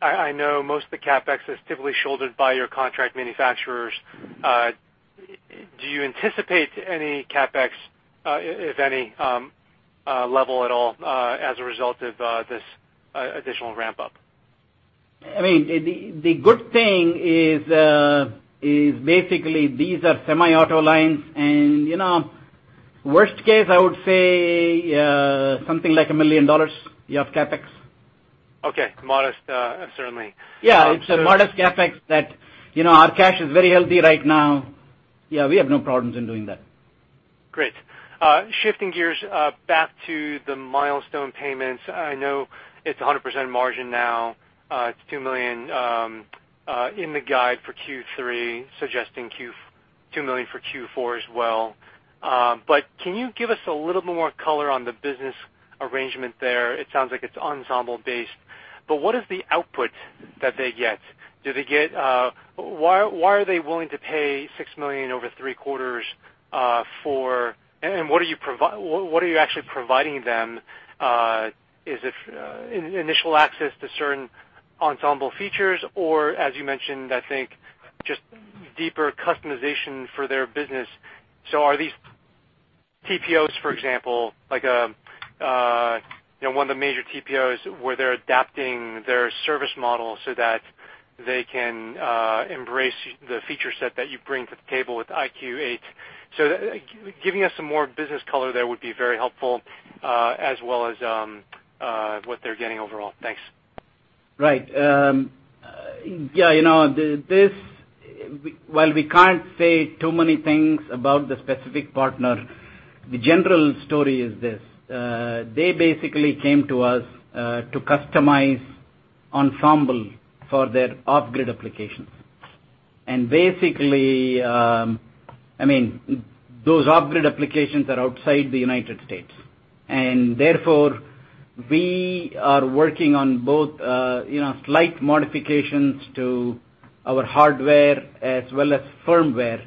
I know most of the CapEx is typically shouldered by your contract manufacturers. Do you anticipate any CapEx, if any, level at all, as a result of this additional ramp-up? The good thing is basically these are semi-auto lines, worst case, I would say something like $1 million of CapEx. Okay. Modest, certainly. Yeah. It's a modest CapEx that our cash is very healthy right now. Yeah, we have no problems in doing that. Great. Shifting gears back to the milestone payments. I know it's 100% margin now. It's $2 million in the guide for Q3, suggesting $2 million for Q4 as well. Can you give us a little bit more color on the business arrangement there? It sounds like it's Ensemble-based, but what is the output that they get? Why are they willing to pay $6 million over 3 quarters for What are you actually providing them? Is it initial access to certain Ensemble features, or as you mentioned, I think, just deeper customization for their business? Are these TPOs, for example, like one of the major TPOs where they're adapting their service model so that they can embrace the feature set that you bring to the table with IQ 8? Giving us some more business color there would be very helpful, as well as what they're getting overall. Thanks. Right. While we can't say too many things about the specific partner, the general story is this. They basically came to us to customize Ensemble for their off-grid applications. Basically, those off-grid applications are outside the U.S. Therefore, we are working on both slight modifications to our hardware as well as firmware,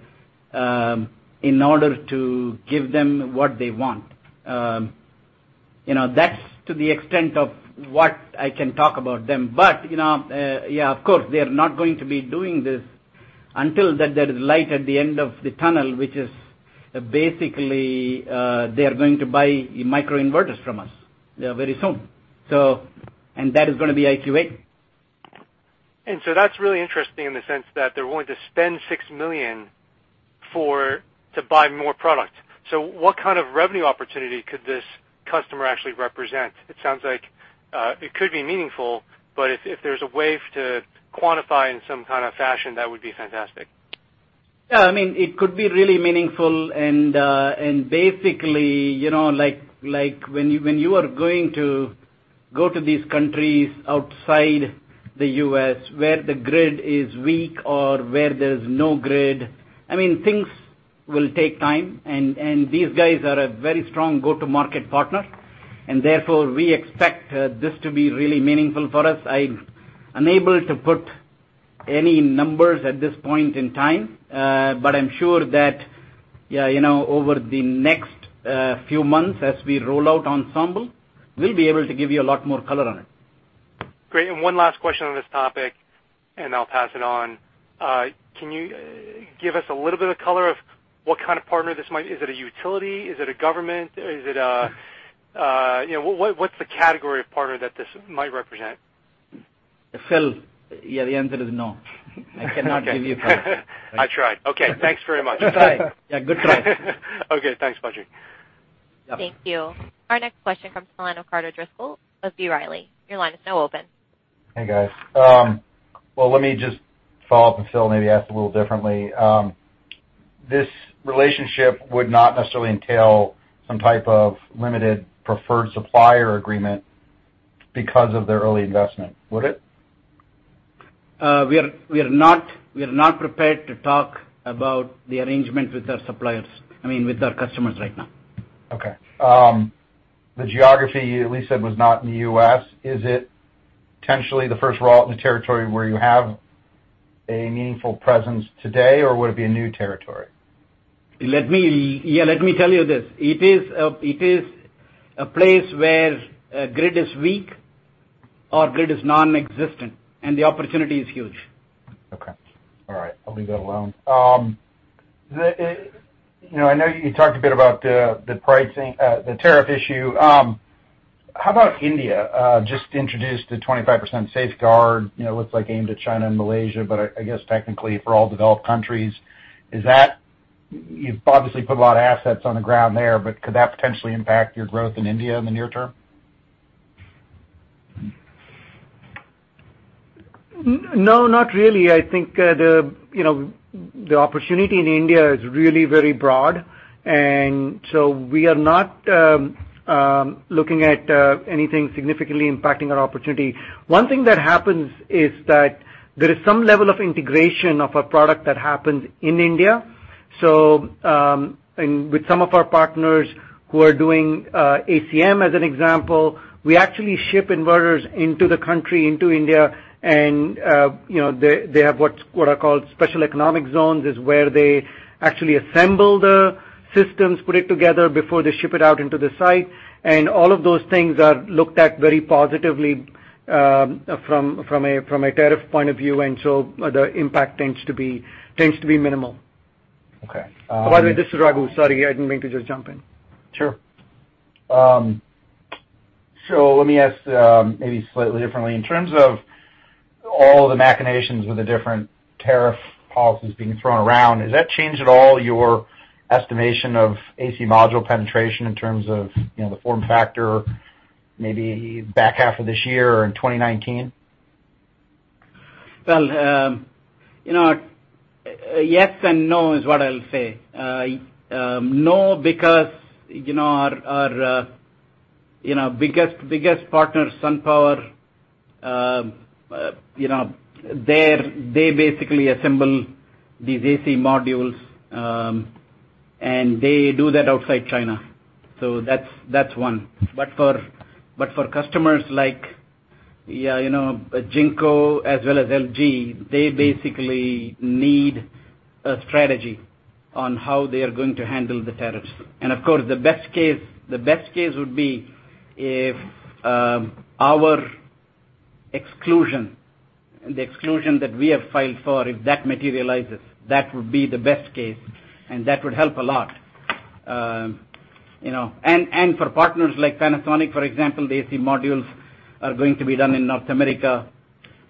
in order to give them what they want. That's to the extent of what I can talk about them. Of course, they're not going to be doing this until there is light at the end of the tunnel, which is basically, they're going to buy microinverters from us very soon. That is going to be IQ 8. That's really interesting in the sense that they're willing to spend $6 million to buy more product. What kind of revenue opportunity could this customer actually represent? It sounds like it could be meaningful, but if there's a way to quantify in some kind of fashion, that would be fantastic. Yeah. It could be really meaningful and basically, when you are going to go to these countries outside the U.S. where the grid is weak or where there's no grid, things will take time, and these guys are a very strong go-to-market partner. We expect this to be really meaningful for us. I'm unable to put any numbers at this point in time. I'm sure that over the next few months, as we roll out Ensemble, we'll be able to give you a lot more color on it. Great. One last question on this topic, and I'll pass it on. Can you give us a little bit of color of what kind of partner this might be? Is it a utility? Is it a government? What's the category of partner that this might represent? Phil, yeah, the answer is no. I cannot give you color. I tried. Okay, thanks very much. That's all right. Yeah, good try. Okay, thanks, Badri. Thank you. Our next question comes from the line of Carter Driscoll of B. Riley. Your line is now open. Hey, guys. Well, let me just follow up with Phil, maybe ask a little differently. This relationship would not necessarily entail some type of limited preferred supplier agreement because of their early investment, would it? We are not prepared to talk about the arrangement with our customers right now. Okay. The geography you at least said was not in the U.S. Is it potentially the first rollout in the territory where you have a meaningful presence today, or would it be a new territory? Let me tell you this. It is a place where grid is weak or grid is nonexistent, and the opportunity is huge. Okay. All right. I'll leave that alone. I know you talked a bit about the pricing, the tariff issue. How about India? Just introduced a 25% safeguard, looks like aimed at China and Malaysia, but I guess technically for all developed countries. You've obviously put a lot of assets on the ground there, but could that potentially impact your growth in India in the near term? No, not really. I think the opportunity in India is really very broad. We are not looking at anything significantly impacting our opportunity. One thing that happens is that there is some level of integration of a product that happens in India. With some of our partners who are doing ACM, as an example, we actually ship inverters into the country, into India, and they have what are called special economic zones, is where they actually assemble the systems, put it together before they ship it out into the site. All of those things are looked at very positively from a tariff point of view. The impact tends to be minimal. Okay. By the way, this is Raghu. Sorry, I didn't mean to just jump in. Sure. Let me ask maybe slightly differently. In terms of all the machinations with the different tariff policies being thrown around, has that changed at all your estimation of AC module penetration in terms of the form factor, maybe back half of this year or in 2019? Well, yes and no is what I'll say. No, because our biggest partner, SunPower, they basically assemble these AC modules, and they do that outside China. That's one. For customers like Jinko as well as LG, they basically need a strategy on how they are going to handle the tariffs. Of course, the best case would be if our exclusion, the exclusion that we have filed for, if that materializes, that would be the best case, and that would help a lot. For partners like Panasonic, for example, the AC modules are going to be done in North America.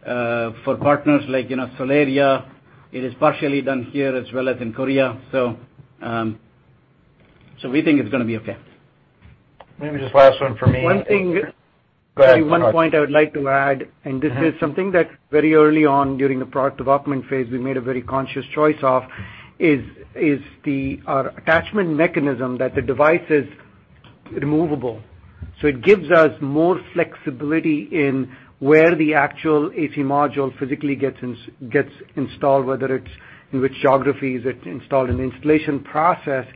For partners like Solaria, it is partially done here as well as in Korea. We think it's going to be okay. Maybe just last one from me. One thing- Go ahead. Sorry. One point I would like to add, this is something that very early on during the product development phase, we made a very conscious choice of, is the attachment mechanism that the device is removable. It gives us more flexibility in where the actual AC module physically gets installed, whether it's in which geographies it's installed. Installation process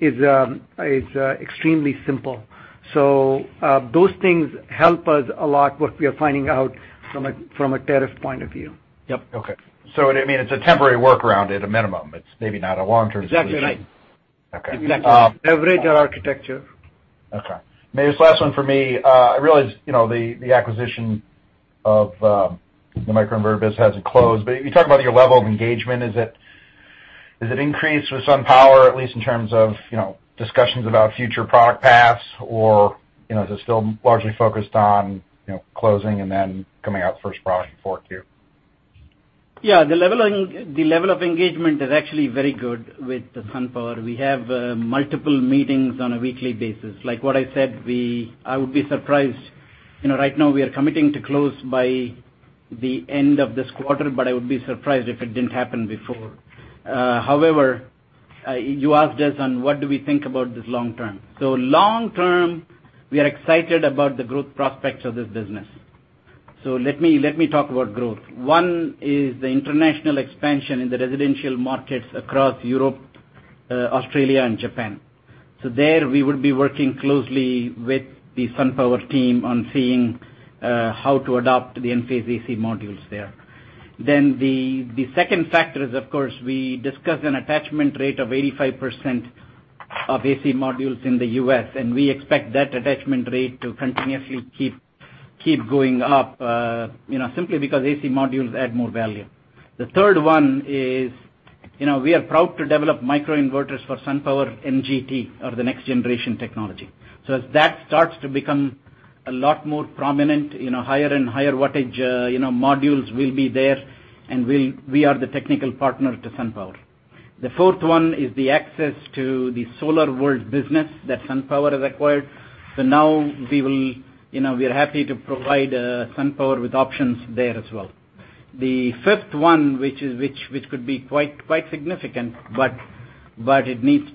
is extremely simple. Those things help us a lot, what we are finding out from a tariff point of view. Yep. Okay. What I mean, it's a temporary workaround at a minimum. It's maybe not a long-term solution. Exactly right. Okay. Exactly. Leverage our architecture. Okay. Maybe this is the last one for me. I realize the acquisition of the microinverter biz hasn't closed. You talk about your level of engagement. Is it increased with SunPower, at least in terms of discussions about future product paths, or is it still largely focused on closing and then coming out with the first product in 4Q? The level of engagement is actually very good with SunPower. We have multiple meetings on a weekly basis. Like what I said, I would be surprised. Right now, we are committing to close by the end of this quarter, but I would be surprised if it didn't happen before. You asked us on what do we think about this long term. Long term, we are excited about the growth prospects of this business. Let me talk about growth. One is the international expansion in the residential markets across Europe, Australia, and Japan. There, we would be working closely with the SunPower team on seeing how to adopt the Enphase AC modules there. The second factor is, of course, we discussed an attachment rate of 85% of AC modules in the U.S., and we expect that attachment rate to continuously keep going up, simply because AC modules add more value. The third one is, we are proud to develop microinverters for SunPower NGT, or the next generation technology. As that starts to become a lot more prominent, higher and higher wattage modules will be there, and we are the technical partner to SunPower. The fourth one is the access to the SolarWorld business that SunPower has acquired. Now, we are happy to provide SunPower with options there as well. The fifth one, which could be quite significant, but we need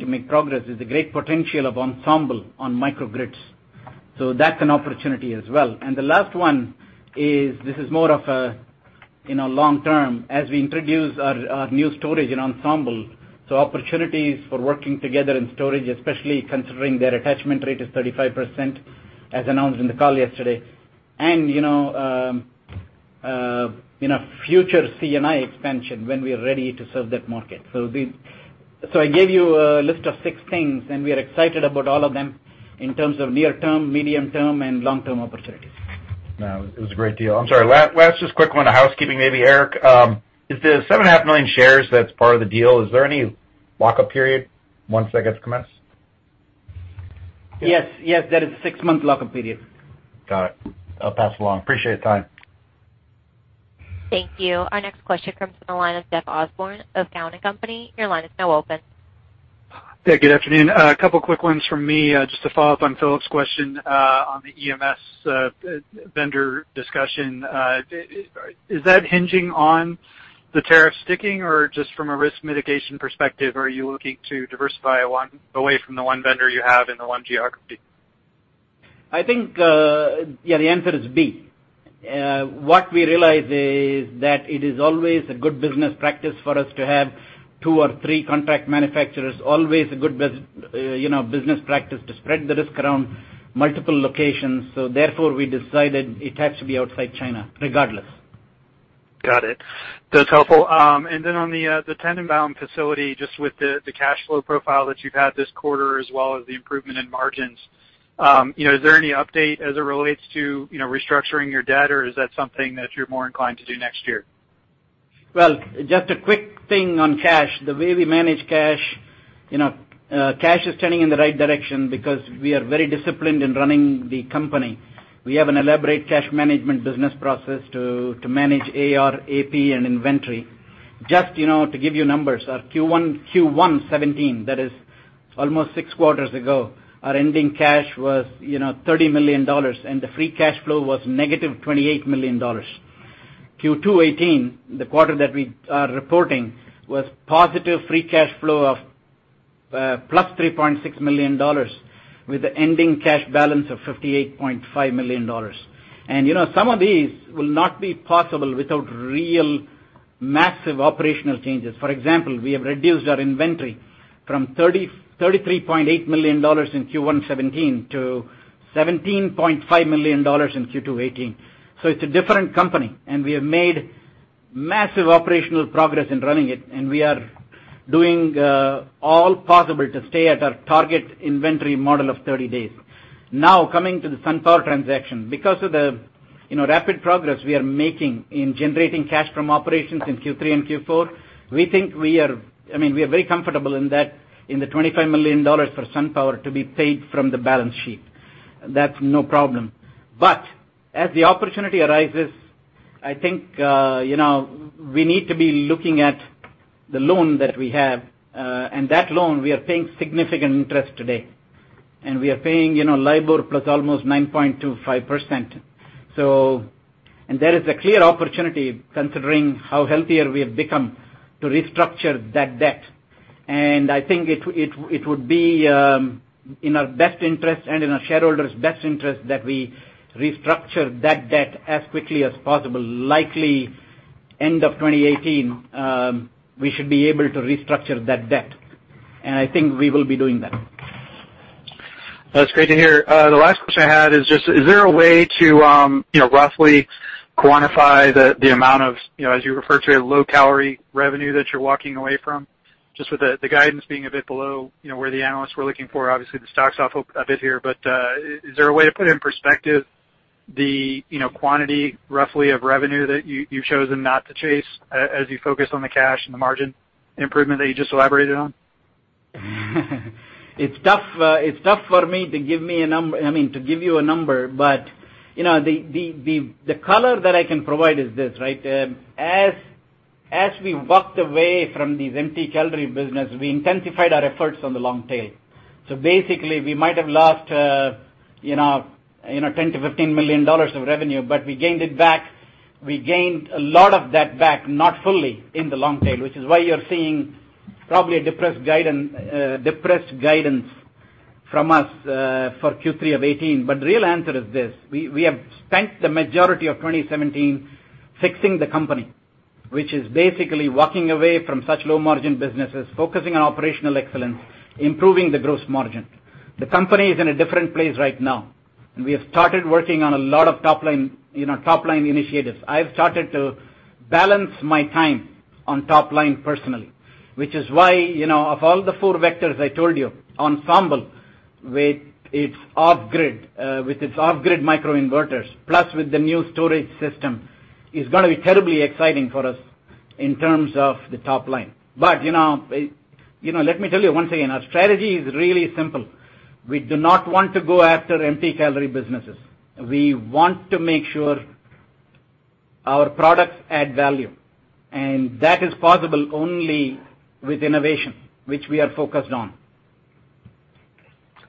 to make progress, is the great potential of Ensemble on microgrids. That's an opportunity as well. The last one is more of a long-term. As we introduce our new storage in Ensemble, opportunities for working together in storage, especially considering their attachment rate is 35%, as announced in the call yesterday. Future C&I expansion, when we are ready to serve that market. I gave you a list of six things, and we are excited about all of them in terms of near-term, medium-term, and long-term opportunities. It was a great deal. I'm sorry, last just quick one of housekeeping maybe, Eric. Is the seven and a half million shares that's part of the deal, is there any lock-up period once that gets commenced? There is a six-month lock-up period. Got it. I'll pass along. Appreciate your time. Thank you. Our next question comes from the line of Jeff Osborne of Cowen and Company. Your line is now open. Yeah, good afternoon. A couple quick ones from me. Just to follow up on Philip's question on the EMS vendor discussion. Is that hinging on the tariff sticking, or just from a risk mitigation perspective, are you looking to diversify away from the one vendor you have in the one geography? I think, yeah, the answer is B. What we realize is that it is always a good business practice for us to have two or three contract manufacturers. Always a good business practice to spread the risk around multiple locations. Therefore, we decided it has to be outside China, regardless. Got it. That's helpful. Then on the Tennenbaum facility, just with the cash flow profile that you've had this quarter, as well as the improvement in margins. Is there any update as it relates to restructuring your debt, or is that something that you're more inclined to do next year? Well, just a quick thing on cash. The way we manage cash is turning in the right direction because we are very disciplined in running the company. We have an elaborate cash management business process to manage AR, AP, and inventory. Just to give you numbers, our Q1 2017, that is almost six quarters ago, our ending cash was $30 million, and the free cash flow was negative $28 million. Q2 2018, the quarter that we are reporting, was positive free cash flow of plus $3.6 million, with the ending cash balance of $58.5 million. Some of these will not be possible without real massive operational changes. For example, we have reduced our inventory from $33.8 million in Q1 2017 to $17.5 million in Q2 2018. It's a different company, we have made massive operational progress in running it, we are doing all possible to stay at our target inventory model of 30 days. Coming to the SunPower transaction. Because of the rapid progress we are making in generating cash from operations in Q3 and Q4, we are very comfortable in the $25 million for SunPower to be paid from the balance sheet. That's no problem. As the opportunity arises, I think we need to be looking at the loan that we have. That loan, we are paying significant interest today. We are paying LIBOR plus almost 9.25%. There is a clear opportunity, considering how healthier we have become, to restructure that debt. I think it would be in our best interest and in our shareholders' best interest that we restructure that debt as quickly as possible. Likely end of 2018, we should be able to restructure that debt. I think we will be doing that. That's great to hear. The last question I had is just, is there a way to roughly quantify the amount of, as you refer to it, low-calorie revenue that you're walking away from? Just with the guidance being a bit below where the analysts were looking for. Obviously, the stock's off a bit here. Is there a way to put it in perspective, the quantity roughly of revenue that you've chosen not to chase as you focus on the cash and the margin improvement that you just elaborated on? It's tough for me to give you a number, the color that I can provide is this, right? As we walked away from these empty-calorie business, we intensified our efforts on the long tail. We might have lost $10 million to $15 million of revenue, but we gained a lot of that back, not fully, in the long tail, which is why you're seeing probably a depressed guidance from us for Q3 of 2018. The real answer is this. We have spent the majority of 2017 fixing the company, which is basically walking away from such low-margin businesses, focusing on operational excellence, improving the gross margin. The company is in a different place right now, we have started working on a lot of top-line initiatives. I have started to balance my time on top line personally, which is why, of all the four vectors I told you, Ensemble with its off-grid microinverters, plus with the new storage system, is going to be terribly exciting for us in terms of the top line. Let me tell you once again, our strategy is really simple. We do not want to go after empty calorie businesses. We want to make sure our products add value, and that is possible only with innovation, which we are focused on.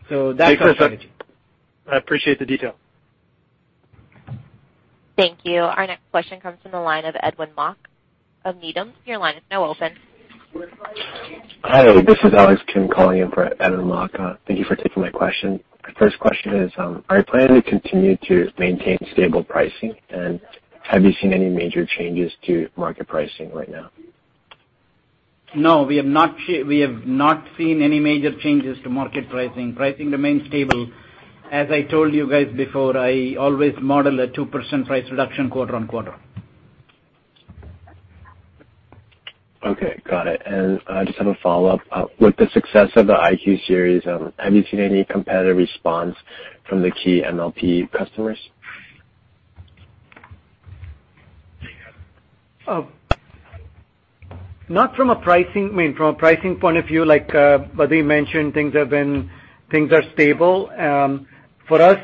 That's our strategy. I appreciate the detail. Thank you. Our next question comes from the line of Edwin Mok of Needham. Your line is now open. Hi, this is Alex Kim calling in for Edwin Mok. Thank you for taking my question. My first question is, are you planning to continue to maintain stable pricing? Have you seen any major changes to market pricing right now? No, we have not seen any major changes to market pricing. Pricing remains stable. As I told you guys before, I always model a 2% price reduction quarter-on-quarter. Okay, got it. I just have a follow-up. With the success of the IQ Series, have you seen any competitive response from the key MLPE customers? Not from a pricing point of view. Like Badri mentioned, things are stable. For us,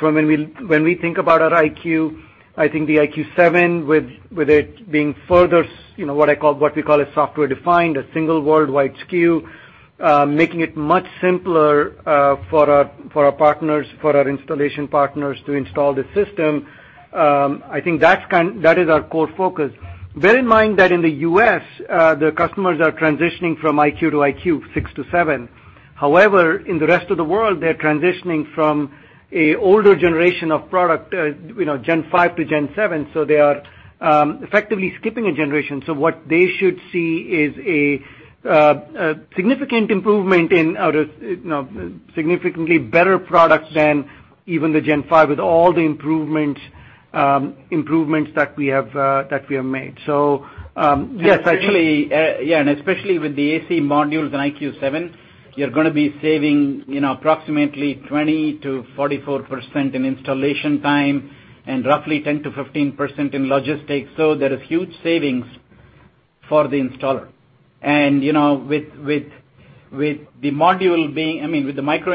when we think about our IQ, I think the IQ 7, with it being further, what we call a software defined, a single worldwide SKU, making it much simpler for our installation partners to install the system. I think that is our core focus. Bear in mind that in the U.S., the customers are transitioning from IQ to IQ, 6 to 7. However, in the rest of the world, they're transitioning from an older generation of product, Gen 5 to Gen 7, so they are effectively skipping a generation. What they should see is a significant improvement in our significantly better product than even the Gen 5 with all the improvements that we have made. Yes. Yeah, especially with the AC modules in IQ 7, you're going to be saving approximately 20%-44% in installation time and roughly 10%-15% in logistics. There is huge savings for the installer. With the micro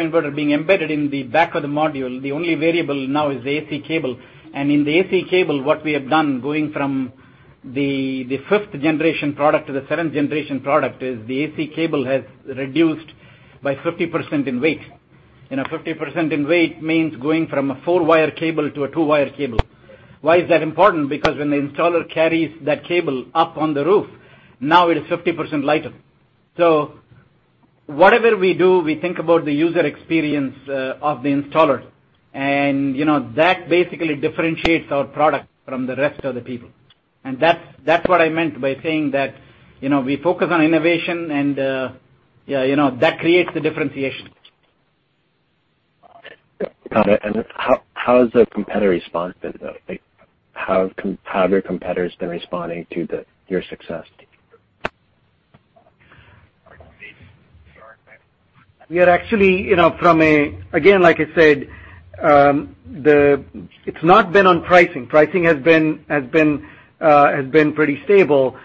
inverter being embedded in the back of the module, the only variable now is the AC cable. In the AC cable, what we have done going from the fifth-generation product to the seventh-generation product is the AC cable has reduced by 50% in weight. A 50% in weight means going from a four-wire cable to a two-wire cable. Why is that important? Because when the installer carries that cable up on the roof, now it is 50% lighter. Whatever we do, we think about the user experience of the installer. That basically differentiates our product from the rest of the people. That's what I meant by saying that we focus on innovation, and that creates the differentiation. Got it. How has the competitor response been, though? Like how have your competitors been responding to your success? We are actually, Again, like I said, it's not been on pricing. Pricing has been pretty stable.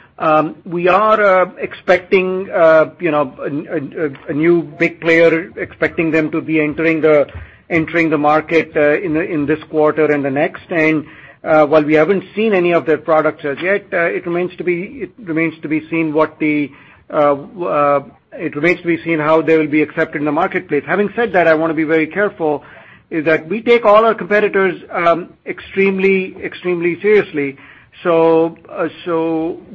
We are expecting a new big player, expecting them to be entering the market in this quarter and the next. While we haven't seen any of their products as yet, it remains to be seen how they'll be accepted in the marketplace. Having said that, I want to be very careful, is that we take all our competitors extremely seriously.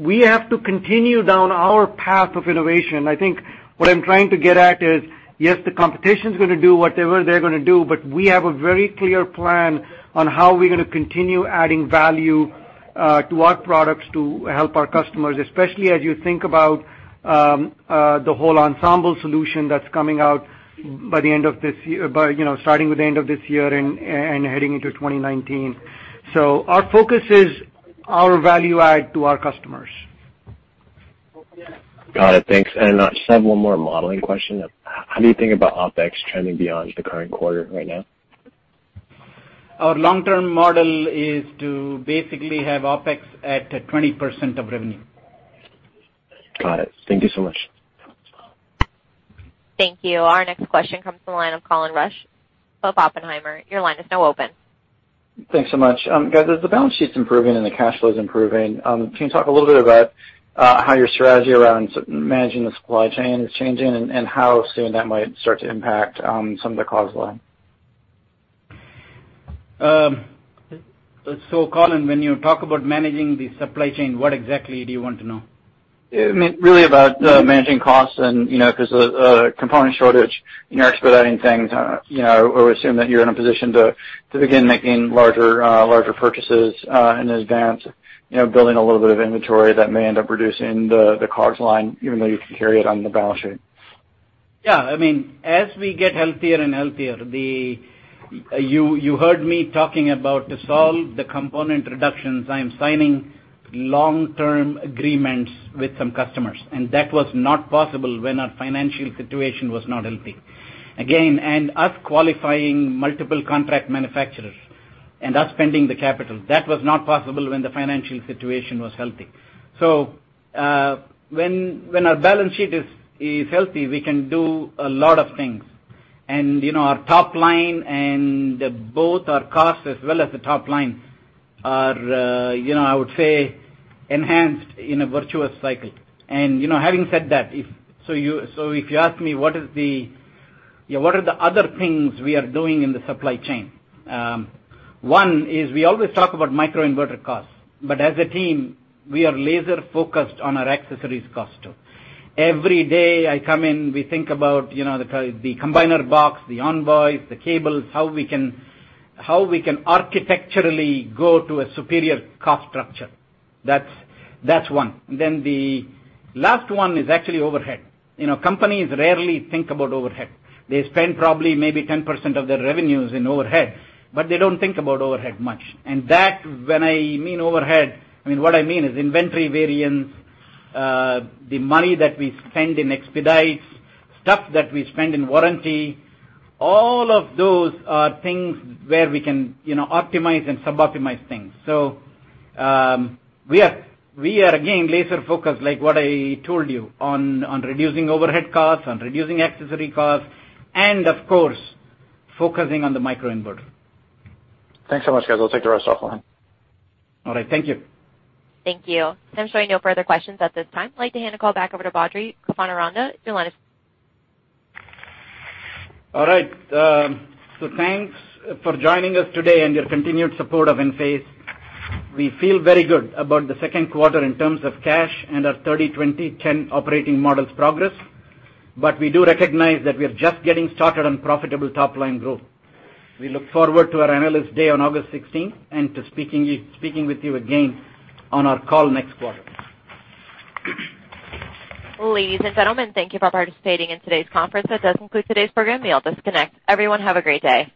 We have to continue down our path of innovation. I think what I'm trying to get at is, yes, the competition's going to do whatever they're going to do, but we have a very clear plan on how we're going to continue adding value to our products to help our customers, especially as you think about the whole Ensemble solution that's coming out starting with the end of this year and heading into 2019. Our focus is our value add to our customers. Got it. Thanks. Just have one more modeling question. How do you think about OpEx trending beyond the current quarter right now? Our long-term model is to basically have OpEx at 20% of revenue. Got it. Thank you so much. Thank you. Our next question comes from the line of Colin Rusch of Oppenheimer. Your line is now open. Thanks so much. Guys, as the balance sheet's improving and the cash flow is improving, can you talk a little bit about how your strategy around managing the supply chain is changing and how soon that might start to impact some of the COGS line? Colin, when you talk about managing the supply chain, what exactly do you want to know? Really about managing costs and, because of component shortage, you're expediting things, or assume that you're in a position to begin making larger purchases in advance, building a little bit of inventory that may end up reducing the COGS line, even though you can carry it on the balance sheet. Yeah. As we get healthier and healthier, you heard me talking about to solve the component cost reductions, I am signing Long-term agreements with some customers, that was not possible when our financial situation was not healthy. Again, us qualifying multiple contract manufacturers and us spending the capital, that was not possible when the financial situation was healthy. When our balance sheet is healthy, we can do a lot of things. Our top line and both our costs as well as the top line are, I would say, enhanced in a virtuous cycle. Having said that, if you ask me what are the other things we are doing in the supply chain? One is we always talk about microinverter costs, but as a team, we are laser-focused on our accessories cost too. Every day I come in, we think about the combiner box, the Envoys, the cables, how we can architecturally go to a superior cost structure. That's one. The last one is actually overhead. Companies rarely think about overhead. They spend probably maybe 10% of their revenues in overhead, they don't think about overhead much. When I mean overhead, what I mean is inventory variance, the money that we spend in expedites, stuff that we spend in warranty. All of those are things where we can optimize and sub-optimize things. We are, again, laser-focused like what I told you on reducing overhead costs, on reducing accessory costs, and of course, focusing on the microinverter. Thanks so much, guys. I'll take the rest off the line. All right. Thank you. Thank you. I'm showing no further questions at this time. I'd like to hand the call back over to Badri Kothandaraman. You'll want to- All right. Thanks for joining us today and your continued support of Enphase. We feel very good about the second quarter in terms of cash and our 30-20-10 operating model's progress. We do recognize that we are just getting started on profitable top-line growth. We look forward to our Analyst Day on August 16th and to speaking with you again on our call next quarter. Ladies and gentlemen, thank you for participating in today's conference. That does conclude today's program. You may all disconnect. Everyone have a great day.